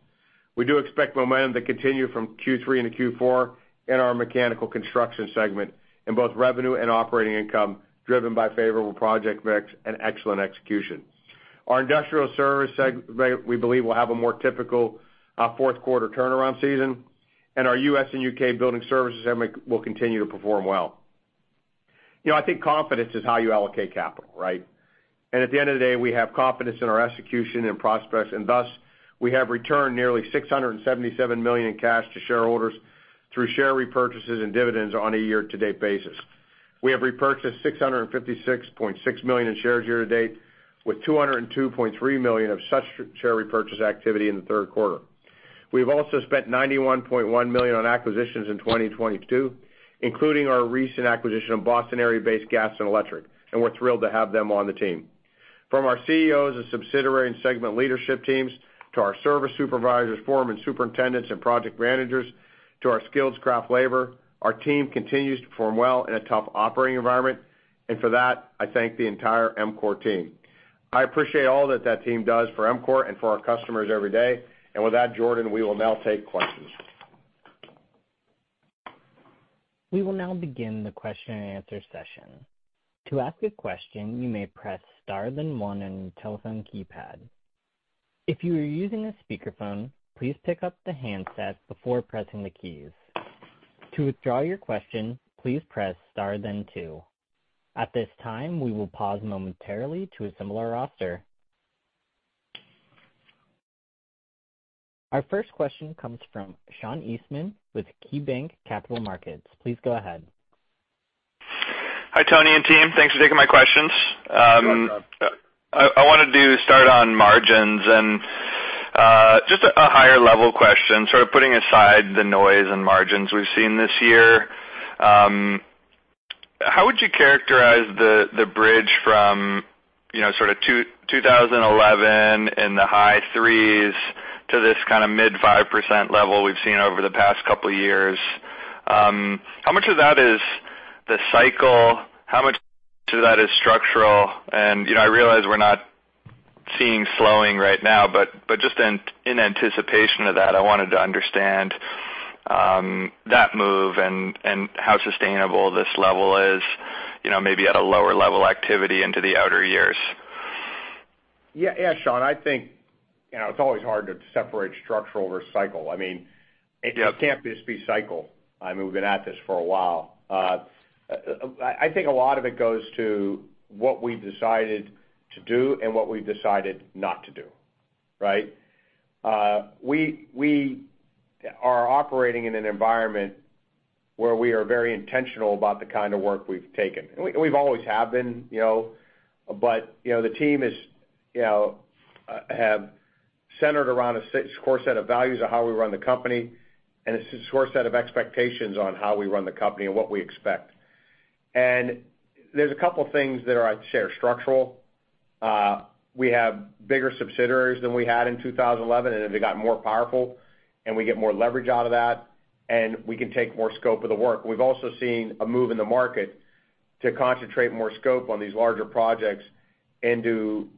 We do expect momentum to continue from Q3 into Q4 in our mechanical construction segment in both revenue and operating income, driven by favorable project mix and excellent execution. Our industrial service we believe will have a more typical fourth quarter turnaround season, and our U.S. and U.K. building services will continue to perform well. You know, I think confidence is how you allocate capital, right? At the end of the day, we have confidence in our execution and prospects, and thus, we have returned nearly $677 million in cash to shareholders through share repurchases and dividends on a year-to-date basis. We have repurchased $656.6 million in shares year to date, with $202.3 million of such share repurchase activity in the third quarter. We've also spent $91.1 million on acquisitions in 2022, including our recent acquisition of Boston area-based Gassco Electric, and we're thrilled to have them on the team. From our CEOs and subsidiary and segment leadership teams, to our service supervisors, foremen, superintendents and project managers, to our skilled craft labor, our team continues to perform well in a tough operating environment. For that, I thank the entire EMCOR team. I appreciate all that that team does for EMCOR and for our customers every day. With that, Jordan, we will now take questions. We will now begin the question-and-answer session. To ask a question, you may press star then one on your telephone keypad. If you are using a speakerphone, please pick up the handset before pressing the keys. To withdraw your question, please press star then two. At this time, we will pause momentarily to assemble our roster. Our first question comes from Sean Eastman with KeyBanc Capital Markets. Please go ahead. Hi, Tony and team. Thanks for taking my questions. You're welcome. I wanted to start on margins and just a higher level question, sort of putting aside the noise and margins we've seen this year. How would you characterize the bridge from, you know, sort of 2011 in the high 3% to this kind of mid-5% level we've seen over the past couple of years? How much of that is the cycle? How much of that is structural? You know, I realize we're not seeing slowing right now, but just in anticipation of that, I wanted to understand that move and how sustainable this level is, you know, maybe at a lower level activity into the outer years. Yeah. Yeah, Sean, I think, you know, it's always hard to separate structural over cyclical. I mean- Yeah It can't just be cycle. I mean, we've been at this for a while. I think a lot of it goes to what we've decided to do and what we've decided not to do, right? We are operating in an environment where we are very intentional about the kind of work we've taken. We, we've always have been, you know, but the team is, you know, have centered around a core set of values of how we run the company and a core set of expectations on how we run the company and what we expect. There's a couple of things that are, I'd share, structural. We have bigger subsidiaries than we had in 2011, and they've got more powerful, and we get more leverage out of that, and we can take more scope of the work. We've also seen a move in the market to concentrate more scope on these larger projects into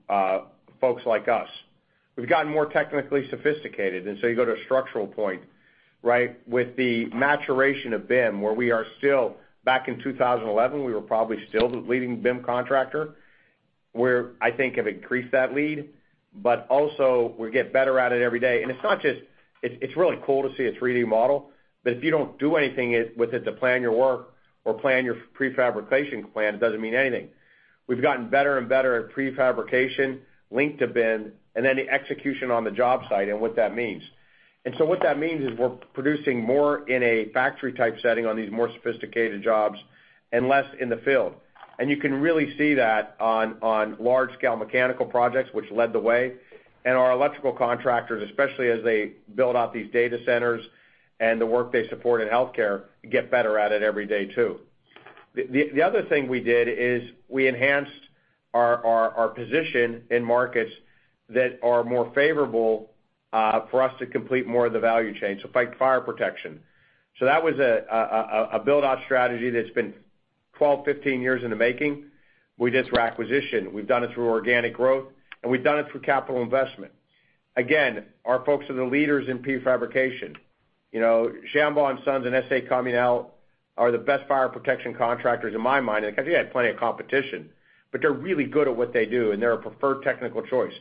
folks like us. We've gotten more technically sophisticated, and so you go to a structural point, right? With the maturation of BIM, back in 2011, we were probably still the leading BIM contractor. We're, I think, have increased that lead, but also we get better at it every day. It's not just. It's really cool to see a 3-D model, but if you don't do anything with it to plan your work or plan your prefabrication plan, it doesn't mean anything. We've gotten better and better at prefabrication linked to BIM, and then the execution on the job site and what that means. What that means is we're producing more in a factory-type setting on these more sophisticated jobs and less in the field. You can really see that on large-scale mechanical projects which led the way. Our electrical contractors, especially as they build out these data centers and the work they support in healthcare, get better at it every day, too. The other thing we did is we enhanced our position in markets that are more favorable for us to complete more of the value chain, so like fire protection. That was a build-out strategy that's been 12-15 years in the making. We did it through acquisition, we've done it through organic growth, and we've done it through capital investment. Again, our folks are the leaders in prefabrication. You know, Shambaugh & Son and S.A. Comunale are the best fire protection contractors in my mind, and I think they had plenty of competition. But they're really good at what they do, and they're a preferred technical choice.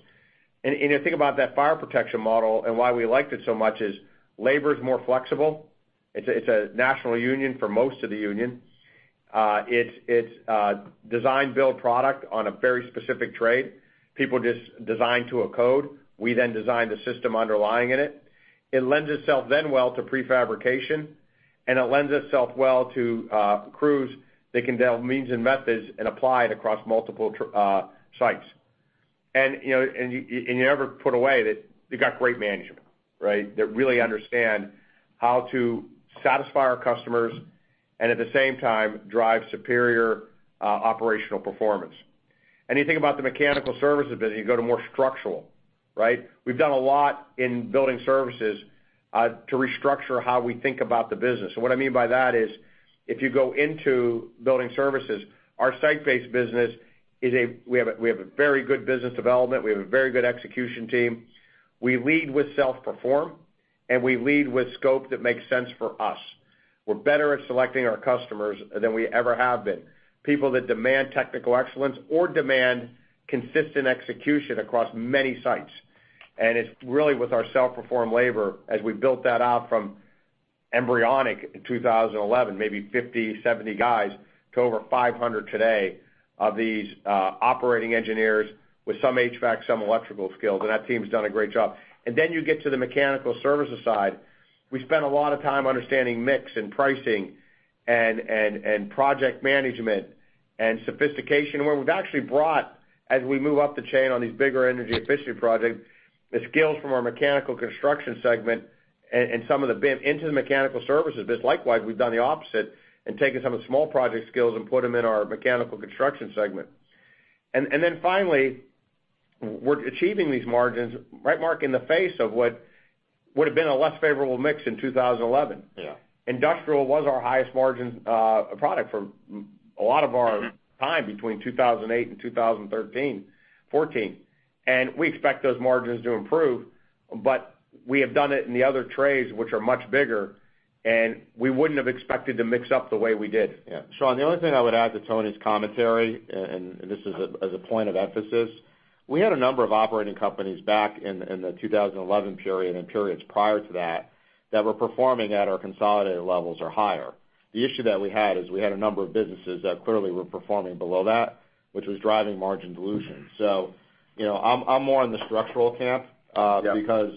You think about that fire protection model and why we liked it so much is labor is more flexible. It's a national union for most of the union. It's design build product on a very specific trade. People just design to a code. We then design the system underlying in it. It lends itself then well to prefabrication, and it lends itself well to crews that can develop means and methods and apply it across multiple sites. You know, you never put away that you got great management, right? That really understand how to satisfy our customers and at the same time, drive superior operational performance. You think about the mechanical services business, you go to more structured, right? We've done a lot in building services to restructure how we think about the business. What I mean by that is if you go into building services, our site-based business. We have a very good business development. We have a very good execution team. We lead with self-perform, and we lead with scope that makes sense for us. We're better at selecting our customers than we ever have been, people that demand technical excellence or demand consistent execution across many sites. It's really with our self-perform labor as we built that out from embryonic in 2011, maybe 50, 70 guys, to over 500 today of these operating engineers with some HVAC, some electrical skills, and that team has done a great job. Then you get to the mechanical services side. We spend a lot of time understanding mix and pricing and project management and sophistication, where we've actually brought, as we move up the chain on these bigger energy efficiency projects, the skills from our mechanical construction segment and some of them into the mechanical services business. Likewise, we've done the opposite and taken some of the small project skills and put them in our mechanical construction segment. Finally, we're achieving these margins, right, Mark, in the face of what would have been a less favorable mix in 2011. Yeah. Industrial was our highest margin product for a lot of our time between 2008 and 2013, 2014. We expect those margins to improve, but we have done it in the other trades, which are much bigger, and we wouldn't have expected to mix up the way we did. Yeah. Sean, the only thing I would add to Tony's commentary, and this is as a point of emphasis, we had a number of operating companies back in the 2011 period and periods prior to that were performing at our consolidated levels or higher. The issue that we had is we had a number of businesses that clearly were performing below that, which was driving margin dilution. You know, I'm more in the structural camp. Yeah Because,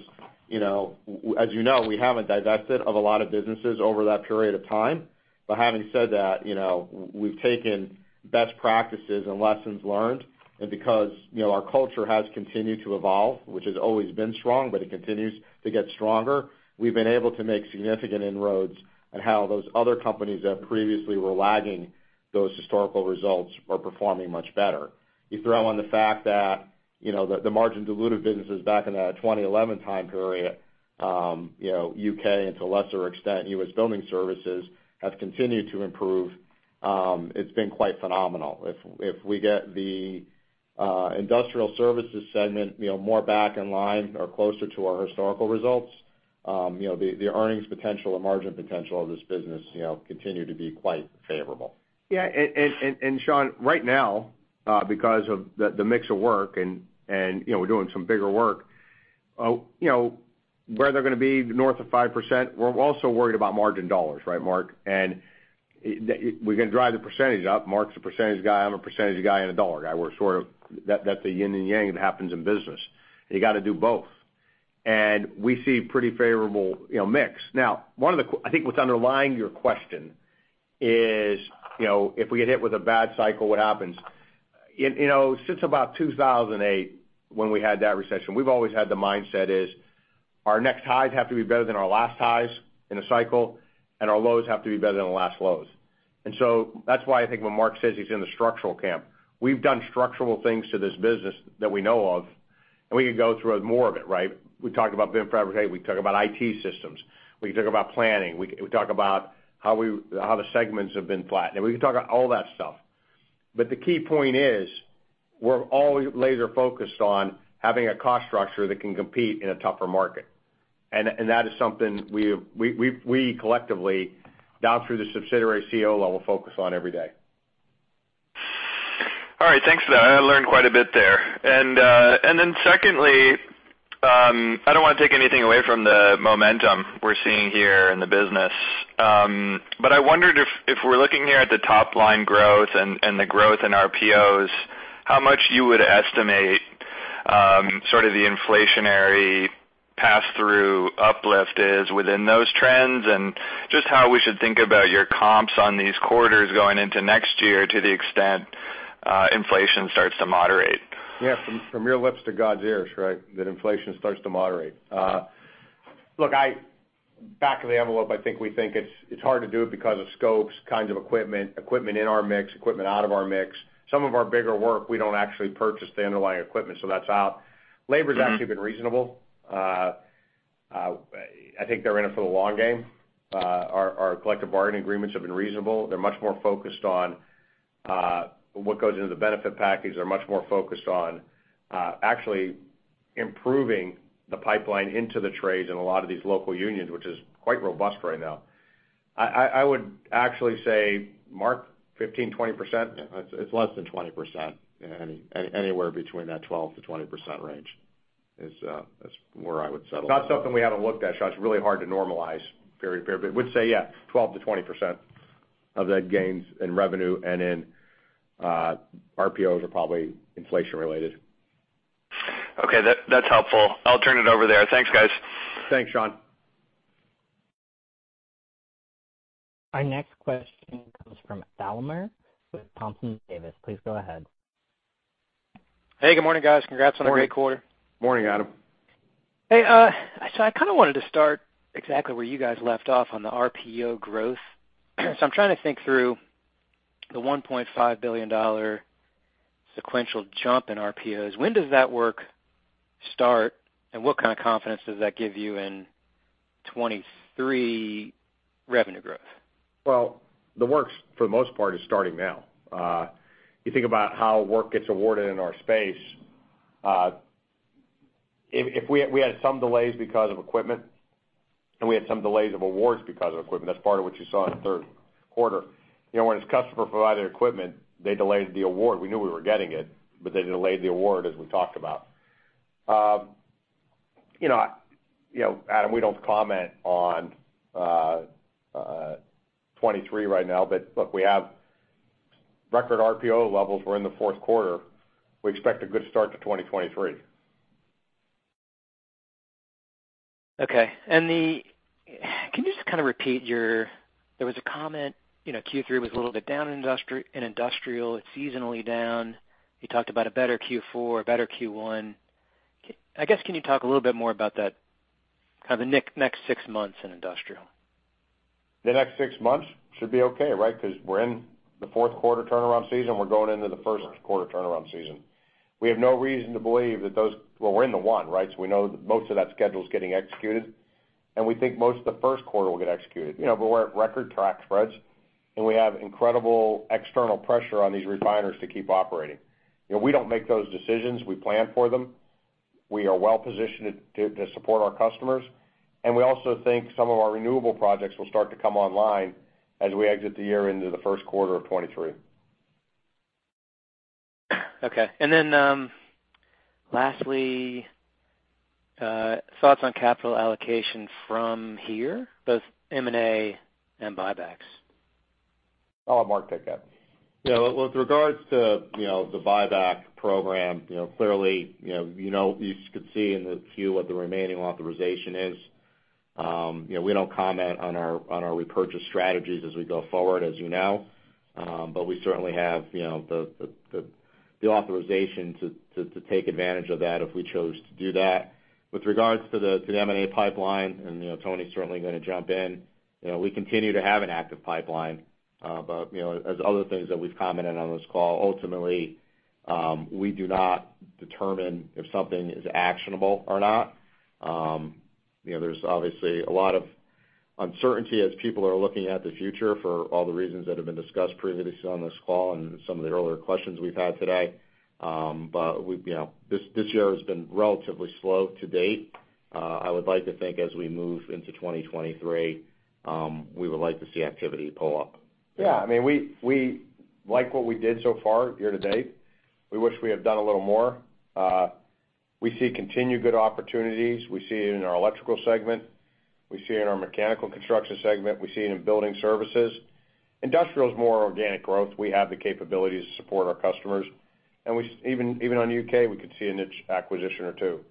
you know, as you know, we haven't divested of a lot of businesses over that period of time. But having said that, you know, we've taken best practices and lessons learned. Because, you know, our culture has continued to evolve, which has always been strong, but it continues to get stronger, we've been able to make significant inroads and how those other companies that previously were lagging those historical results are performing much better. You throw on the fact that, you know, the margin dilutive businesses back in the 2011 time period, you know, U.K., and to a lesser extent, U.S. Building Services have continued to improve, it's been quite phenomenal. If we get the industrial services segment, you know, more back in line or closer to our historical results, you know, the earnings potential and margin potential of this business, you know, continue to be quite favorable. Yeah. Sean, right now, because of the mix of work and, you know, we're doing some bigger work, you know, where they're gonna be north of 5%, we're also worried about margin dollars, right, Mark? We're gonna drive the percentage up. Mark's a percentage guy, I'm a percentage guy and a dollar guy. We're sort of. That's a yin and yang that happens in business. You got to do both. We see pretty favorable, you know, mix. Now, I think what's underlying your question is, you know, if we get hit with a bad cycle, what happens? You know, since about 2008, when we had that recession, we've always had the mindset is our next highs have to be better than our last highs in a cycle, and our lows have to be better than the last lows. That's why I think when Mark says he's in the structural camp, we've done structural things to this business that we know of, and we can go through more of it, right? We talk about BIM fabricate, we talk about IT systems, we can talk about planning, we talk about how the segments have been flattened. We can talk about all that stuff. The key point is we're always laser focused on having a cost structure that can compete in a tougher market. That is something we collectively, down through the subsidiary CEO level, focus on every day. All right, thanks for that. I learned quite a bit there. Then secondly, I don't wanna take anything away from the momentum we're seeing here in the business. But I wondered if we're looking here at the top line growth and the growth in RPOs, how much you would estimate sort of the inflationary pass through uplift is within those trends, and just how we should think about your comps on these quarters going into next year to the extent inflation starts to moderate. Yeah. From your lips to God's ears, right? That inflation starts to moderate. Look, back of the envelope, I think we think it's hard to do it because of scopes, kinds of equipment in our mix, equipment out of our mix. Some of our bigger work, we don't actually purchase the underlying equipment, so that's out. Labor's actually been reasonable. I think they're in it for the long game. Our collective bargaining agreements have been reasonable. They're much more focused on what goes into the benefit package. They're much more focused on actually improving the pipeline into the trades in a lot of these local unions, which is quite robust right now. I would actually say, Mark, 15%-20%? It's less than 20%. Anywhere between that 12%-20% range is where I would settle. It's not something we haven't looked at, Sean. It's really hard to normalize very. But I would say, yeah, 12%-20% of the gains in revenue and in RPOs are probably inflation-related. Okay. That's helpful. I'll turn it over there. Thanks, guys. Thanks, Sean. Our next question comes from Adam Thalhimer with Thompson Davis & Co. Please go ahead. Hey, good morning, guys. Congrats on a great quarter. Morning, Adam. Hey, I kind of wanted to start exactly where you guys left off on the RPO growth. I'm trying to think through the $1.5 billion sequential jump in RPOs. When does that work start, and what kind of confidence does that give you in 2023 revenue growth? Well, the work's, for the most part, is starting now. You think about how work gets awarded in our space, if we had some delays because of equipment, and we had some delays of awards because of equipment. That's part of what you saw in the third quarter. You know, when it's customer-provided equipment, they delayed the award. We knew we were getting it, but they delayed the award, as we talked about. You know, Adam, we don't comment on 2023 right now. Look, we have record RPO levels. We're in the fourth quarter. We expect a good start to 2023. Okay. There was a comment, you know, Q3 was a little bit down in industrial. It's seasonally down. You talked about a better Q4, a better Q1. I guess, can you talk a little bit more about that kind of the next six months in industrial? The next six months should be okay, right? 'Cause we're in the fourth quarter turnaround season, we're going into the first quarter turnaround season. We have no reason to believe that. Well, we're in the one, right? We know that most of that schedule is getting executed, and we think most of the first quarter will get executed. You know, but we're at record crack spreads, and we have incredible external pressure on these refiners to keep operating. You know, we don't make those decisions, we plan for them. We are well-positioned to support our customers, and we also think some of our renewable projects will start to come online as we exit the year into the first quarter of 2023. Okay. Lastly, thoughts on capital allocation from here, both M&A and buybacks? I'll let Mark take that. You know, with regards to the buyback program, clearly, you could see in the Q what the remaining authorization is. You know, we don't comment on our repurchase strategies as we go forward, as you know. But we certainly have the authorization to take advantage of that if we chose to do that. With regards to the M&A pipeline, Tony's certainly gonna jump in. You know, we continue to have an active pipeline. But, you know, as other things that we've commented on this call, ultimately, we do not determine if something is actionable or not. You know, there's obviously a lot of uncertainty as people are looking at the future for all the reasons that have been discussed previously on this call and some of the earlier questions we've had today. We've, you know, this year has been relatively slow to date. I would like to think as we move into 2023, we would like to see activity pull up. Yeah. I mean, we like what we did so far year to date. We wish we had done a little more. We see continued good opportunities. We see it in our Electrical segment, we see it in our Mechanical Construction segment, we see it in Building Services. Industrial is more organic growth. We have the capabilities to support our customers. Even on U.K., we could see a niche acquisition or two.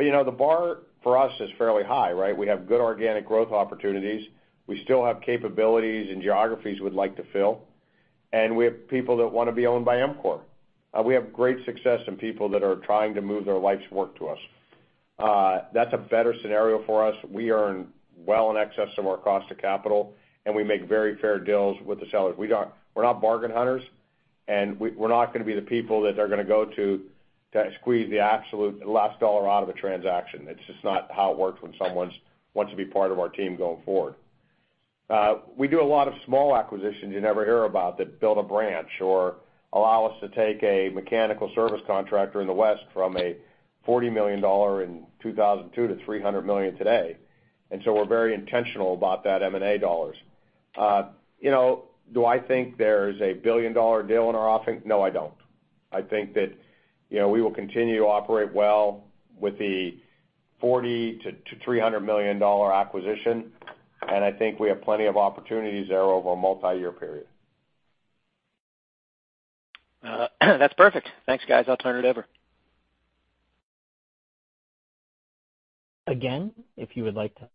You know, the bar for us is fairly high, right? We have good organic growth opportunities. We still have capabilities and geographies we'd like to fill, and we have people that wanna be owned by EMCOR. We have great success in people that are trying to move their life's work to us. That's a better scenario for us. We earn well in excess of our cost of capital, and we make very fair deals with the sellers. We're not bargain hunters, and we're not gonna be the people that they're gonna go to to squeeze the absolute last dollar out of a transaction. It's just not how it works when someone wants to be part of our team going forward. We do a lot of small acquisitions you never hear about that build a branch or allow us to take a mechanical service contractor in the West from $40 million in 2002 to $300 million today. We're very intentional about that M&A dollars. You know, do I think there's a billion-dollar deal in our offering? No, I don't. I think that, you know, we will continue to operate well with the $40 million-$300 million acquisition, and I think we have plenty of opportunities there over a multiyear period. That's perfect. Thanks, guys. I'll turn it over. Again, if you would like to ask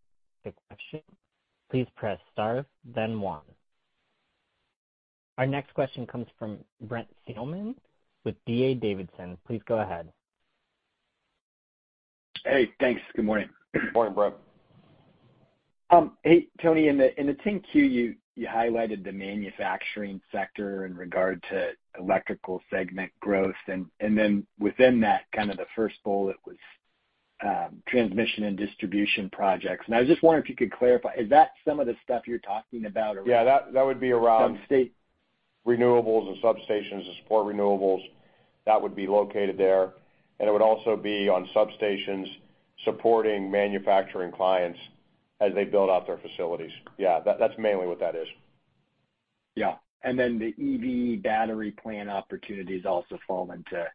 a question, please press star then one. Our next question comes from Brent Thielman with D.A. Davidson & Co. Please go ahead. Hey, thanks. Good morning. Good morning, Brent. Hey, Tony. In the 10-Q, you highlighted the manufacturing sector in regard to Electrical segment growth. Then within that, kind of the first bullet was transmission and distribution projects. I was just wondering if you could clarify, is that some of the stuff you're talking about or- Yeah, that would be around. Some state- Renewables and substations to support renewables, that would be located there. It would also be on substations supporting manufacturing clients as they build out their facilities. Yeah. That's mainly what that is. Yeah. The EV battery plant opportunities also fall into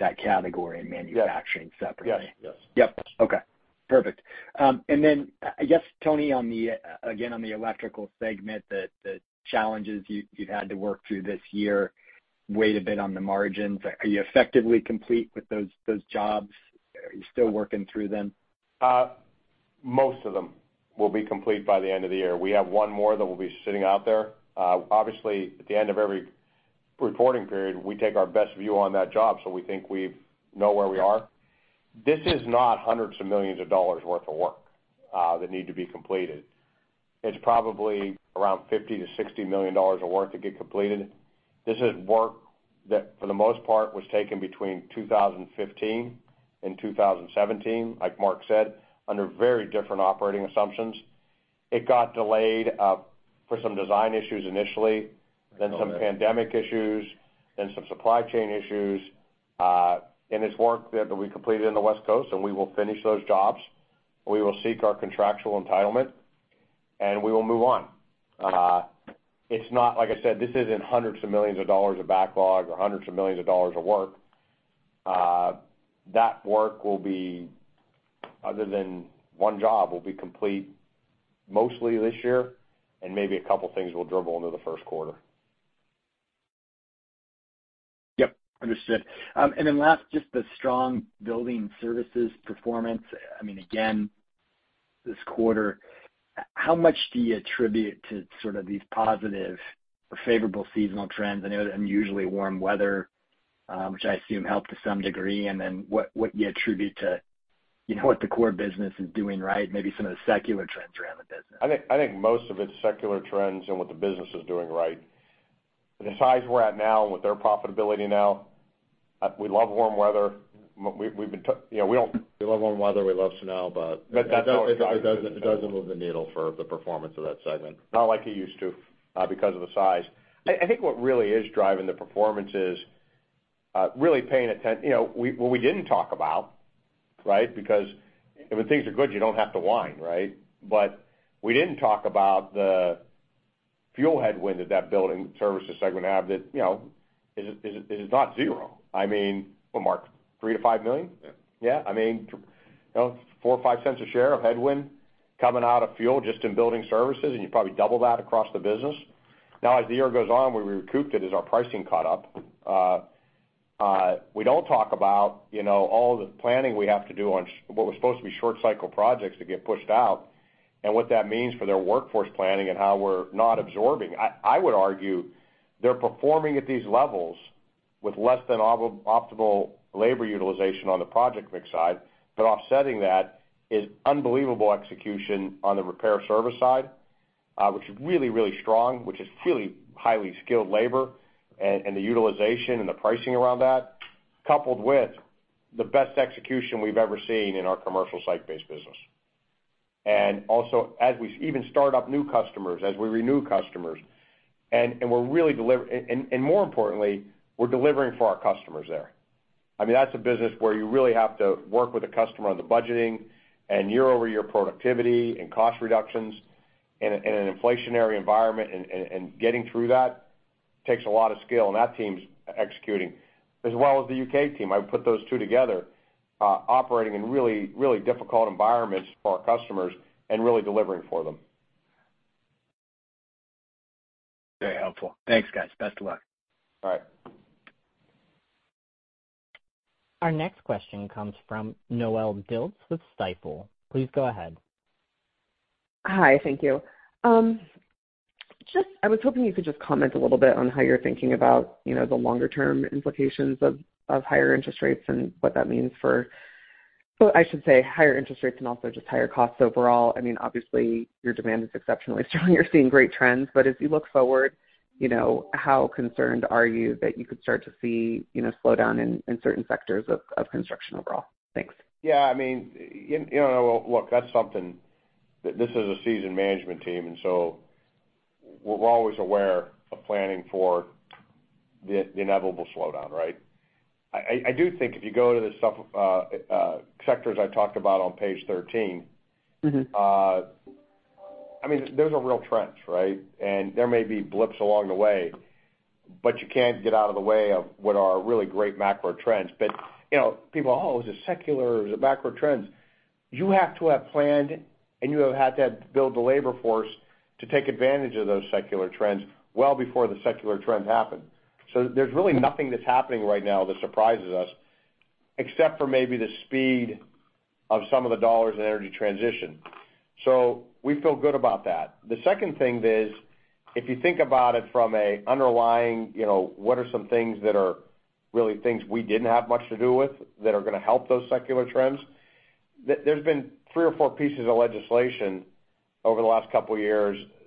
that category in manufacturing separately? Yes. Yes. Yep. Okay. Perfect. I guess, Tony, on the, again, on the Electrical segment, the challenges you've had to work through this year weighed a bit on the margins. Are you effectively complete with those jobs? Are you still working through them? Most of them will be complete by the end of the year. We have one more that will be sitting out there. Obviously, at the end of every reporting period, we take our best view on that job, so we think we know where we are. This is not hundreds of millions of dollars worth of work that need to be completed. It's probably around $50 million-$60 million of work to get completed. This is work that, for the most part, was taken between 2015 and 2017, like Mark said, under very different operating assumptions. It got delayed for some design issues initially, then some pandemic issues, then some supply chain issues, and it's work that we completed on the West Coast, and we will finish those jobs. We will seek our contractual entitlement, and we will move on. It's not. Like I said, this isn't hundreds of millions of dollars of backlog or hundreds of millions of dollars of work. That work will be, other than one job, will be complete mostly this year, and maybe a couple of things will dribble into the first quarter. Yep, understood. Last, just the strong building services performance. I mean, again, this quarter, how much do you attribute to sort of these positive or favorable seasonal trends? I know unusually warm weather, which I assume helped to some degree. What do you attribute to, you know, what the core business is doing right, maybe some of the secular trends around the business? I think most of it's secular trends and what the business is doing right. The size we're at now with their profitability now, we love warm weather. We've been, you know, we don't- We love warm weather, we love snow, but. That's what It doesn't move the needle for the performance of that segment. Not like it used to, because of the size. I think what really is driving the performance is, you know, what we didn't talk about, right? Because if things are good, you don't have to whine, right? But we didn't talk about the fuel headwind that building services segment have that, you know, is not zero. I mean, well, Mark, $3 million-$5 million? Yeah. Yeah. I mean, you know, $0.04-$0.05 a share of headwind coming out of fuel just in building services, and you probably double that across the business. Now, as the year goes on, where we recouped it is our pricing caught up. We don't talk about, you know, all the planning we have to do on what was supposed to be short cycle projects that get pushed out and what that means for their workforce planning and how we're not absorbing. I would argue they're performing at these levels with less than optimal labor utilization on the project mix side, but offsetting that is unbelievable execution on the repair service side, which is really, really strong, which is really highly skilled labor, and the utilization and the pricing around that, coupled with the best execution we've ever seen in our commercial site-based business. As we even start up new customers, as we renew customers, and more importantly, we're delivering for our customers there. I mean, that's a business where you really have to work with the customer on the budgeting and year-over-year productivity and cost reductions in an inflationary environment, and getting through that takes a lot of skill, and that team's executing as well as the U.K. team. I would put those two together, operating in really, really difficult environments for our customers and really delivering for them. Very helpful. Thanks, guys. Best of luck. All right. Our next question comes from Noelle Dilts with Stifel. Please go ahead. Hi, thank you. Just I was hoping you could just comment a little bit on how you're thinking about, you know, the longer term implications of higher interest rates and what that means for higher interest rates and also just higher costs overall. I mean, obviously, your demand is exceptionally strong. You're seeing great trends. As you look forward, you know, how concerned are you that you could start to see, you know, slowdown in certain sectors of construction overall? Thanks. Yeah, I mean, you know, look, that's something that this is a seasoned management team, and so we're always aware of planning for the inevitable slowdown, right? I do think if you go to the sub-sectors I talked about on page 13. Mm-hmm I mean, those are real trends, right? There may be blips along the way, but you can't get out of the way of what are really great macro trends. You know, people are, "Oh, is it secular? Is it macro trends?" You have to have planned, and you have had to build the labor force to take advantage of those secular trends well before the secular trends happened. There's really nothing that's happening right now that surprises us, except for maybe the speed of some of the dollars in energy transition. We feel good about that. The second thing is, if you think about it from a underlying, you know, what are some things that are really things we didn't have much to do with that are gonna help those secular trends, there's been three or four pieces of legislation over the last couple of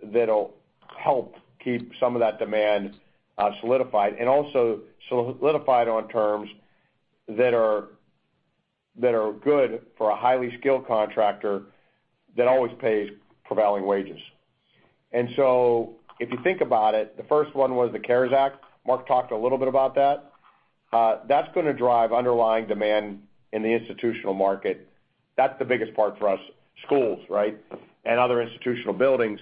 years that'll help keep some of that demand solidified and also solidified on terms that are good for a highly skilled contractor that always pays prevailing wages. If you think about it, the first one was the CARES Act. Mark talked a little bit about that. That's gonna drive underlying demand in the institutional market. That's the biggest part for us, schools, right? Other institutional buildings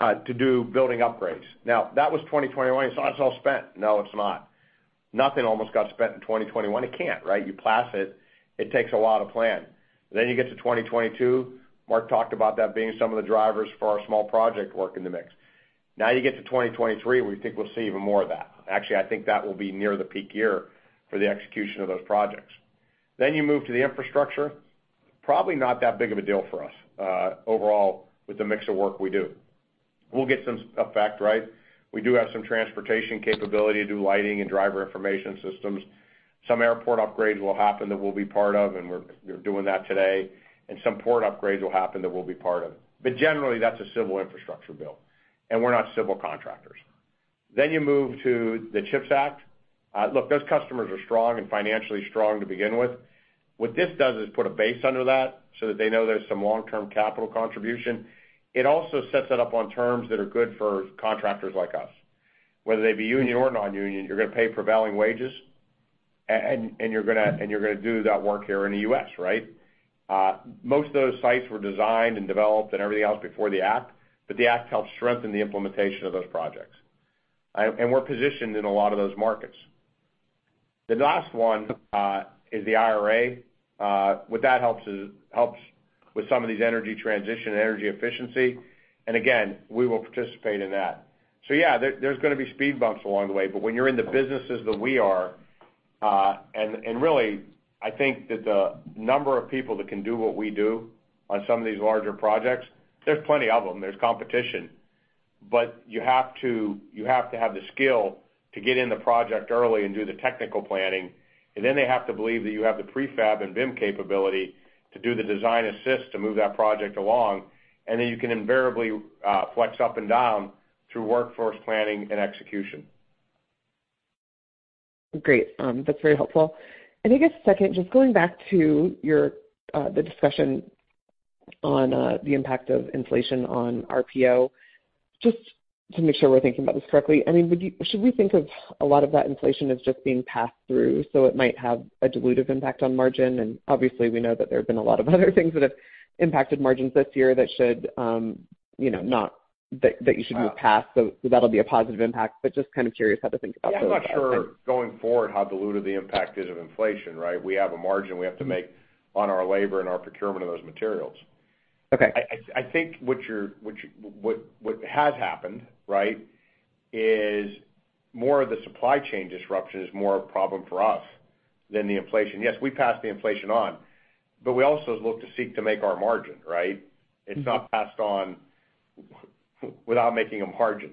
to do building upgrades. Now, that was 2021, so that's all spent. No, it's not. Nothing almost got spent in 2021. It can't, right? You pass it takes a while to plan. You get to 2022. Mark talked about that being some of the drivers for our small project work in the mix. Now you get to 2023, we think we'll see even more of that. Actually, I think that will be near the peak year for the execution of those projects. You move to the infrastructure. Probably not that big of a deal for us, overall with the mix of work we do. We'll get some effect, right? We do have some transportation capability, do lighting and driver information systems. Some airport upgrades will happen that we'll be part of, and we're doing that today. Some port upgrades will happen that we'll be part of. Generally, that's a civil infrastructure build, and we're not civil contractors. You move to the CHIPS Act. Look, those customers are strong and financially strong to begin with. What this does is put a base under that so that they know there's some long-term capital contribution. It also sets it up on terms that are good for contractors like us. Whether they be union or non-union, you're gonna pay prevailing wages and you're gonna do that work here in the U.S., right? Most of those sites were designed and developed and everything else before the act, but the act helps strengthen the implementation of those projects. We're positioned in a lot of those markets. The last one is the IRA. What that helps with some of these energy transition and energy efficiency. Again, we will participate in that. Yeah, there's gonna be speed bumps along the way, but when you're in the businesses that we are, and really I think that the number of people that can do what we do on some of these larger projects, there's plenty of them, there's competition. You have to have the skill to get in the project early and do the technical planning, and then they have to believe that you have the prefab and BIM capability to do the design assist to move that project along, and then you can invariably flex up and down through workforce planning and execution. Great. That's very helpful. I think, second, just going back to your discussion on the impact of inflation on RPO, just to make sure we're thinking about this correctly. I mean, should we think of a lot of that inflation as just being passed through so it might have a dilutive impact on margin? Obviously, we know that there have been a lot of other things that have impacted margins this year that should, you know, move past, so that'll be a positive impact. Just kind of curious how to think about those items. Yeah, I'm not sure going forward how dilutive the impact is of inflation, right? We have a margin we have to make on our labor and our procurement of those materials. Okay. I think what has happened, right, is the supply chain disruption is more a problem for us than the inflation. Yes, we pass the inflation on, but we also look to seek to make our margin, right? It's not passed on without making a margin.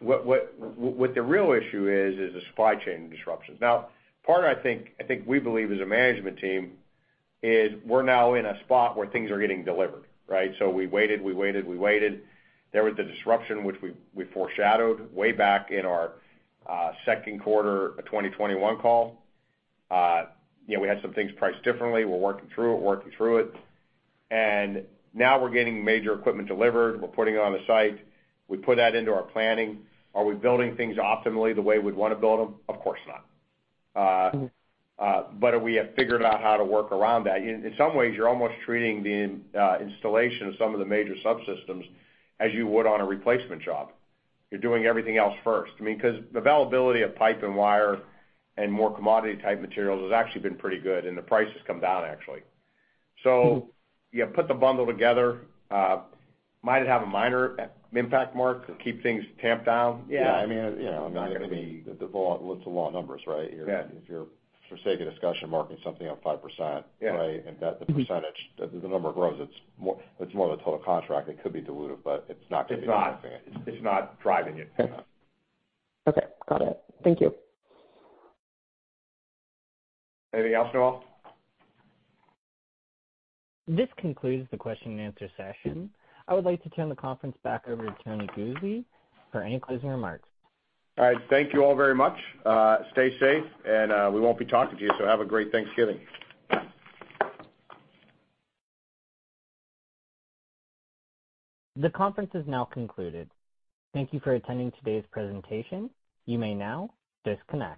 What the real issue is the supply chain disruptions. Now, but I think we believe as a management team is we're now in a spot where things are getting delivered, right? So we waited. There was the disruption, which we foreshadowed way back in our second quarter of 2021 call. You know, we had some things priced differently. We're working through it. And now we're getting major equipment delivered. We're putting it on the site. We put that into our planning. Are we building things optimally the way we'd wanna build them? Of course not. But we have figured out how to work around that. In some ways, you're almost treating the installation of some of the major subsystems as you would on a replacement job. You're doing everything else first. I mean, 'cause the availability of pipe and wire and more commodity type materials has actually been pretty good, and the price has come down actually. So you put the bundle together, might it have a minor impact, Mark, to keep things tamped down? Yeah. Yeah, I mean, you know, I mean, it's the law of numbers, right? Yeah. If you're, for sake of discussion, marking something up 5%- Yeah. Right? That the percentage, the number grows. It's more the total contract. It could be dilutive, but it's not gonna be. It's not. It's not driving it. No. Okay. Got it. Thank you. Anything else at all? This concludes the question and answer session. I would like to turn the conference back over to Tony Guzzi for any closing remarks. All right. Thank you all very much. Stay safe, and we won't be talking to you, so have a great Thanksgiving. The conference is now concluded. Thank you for attending today's presentation. You may now disconnect.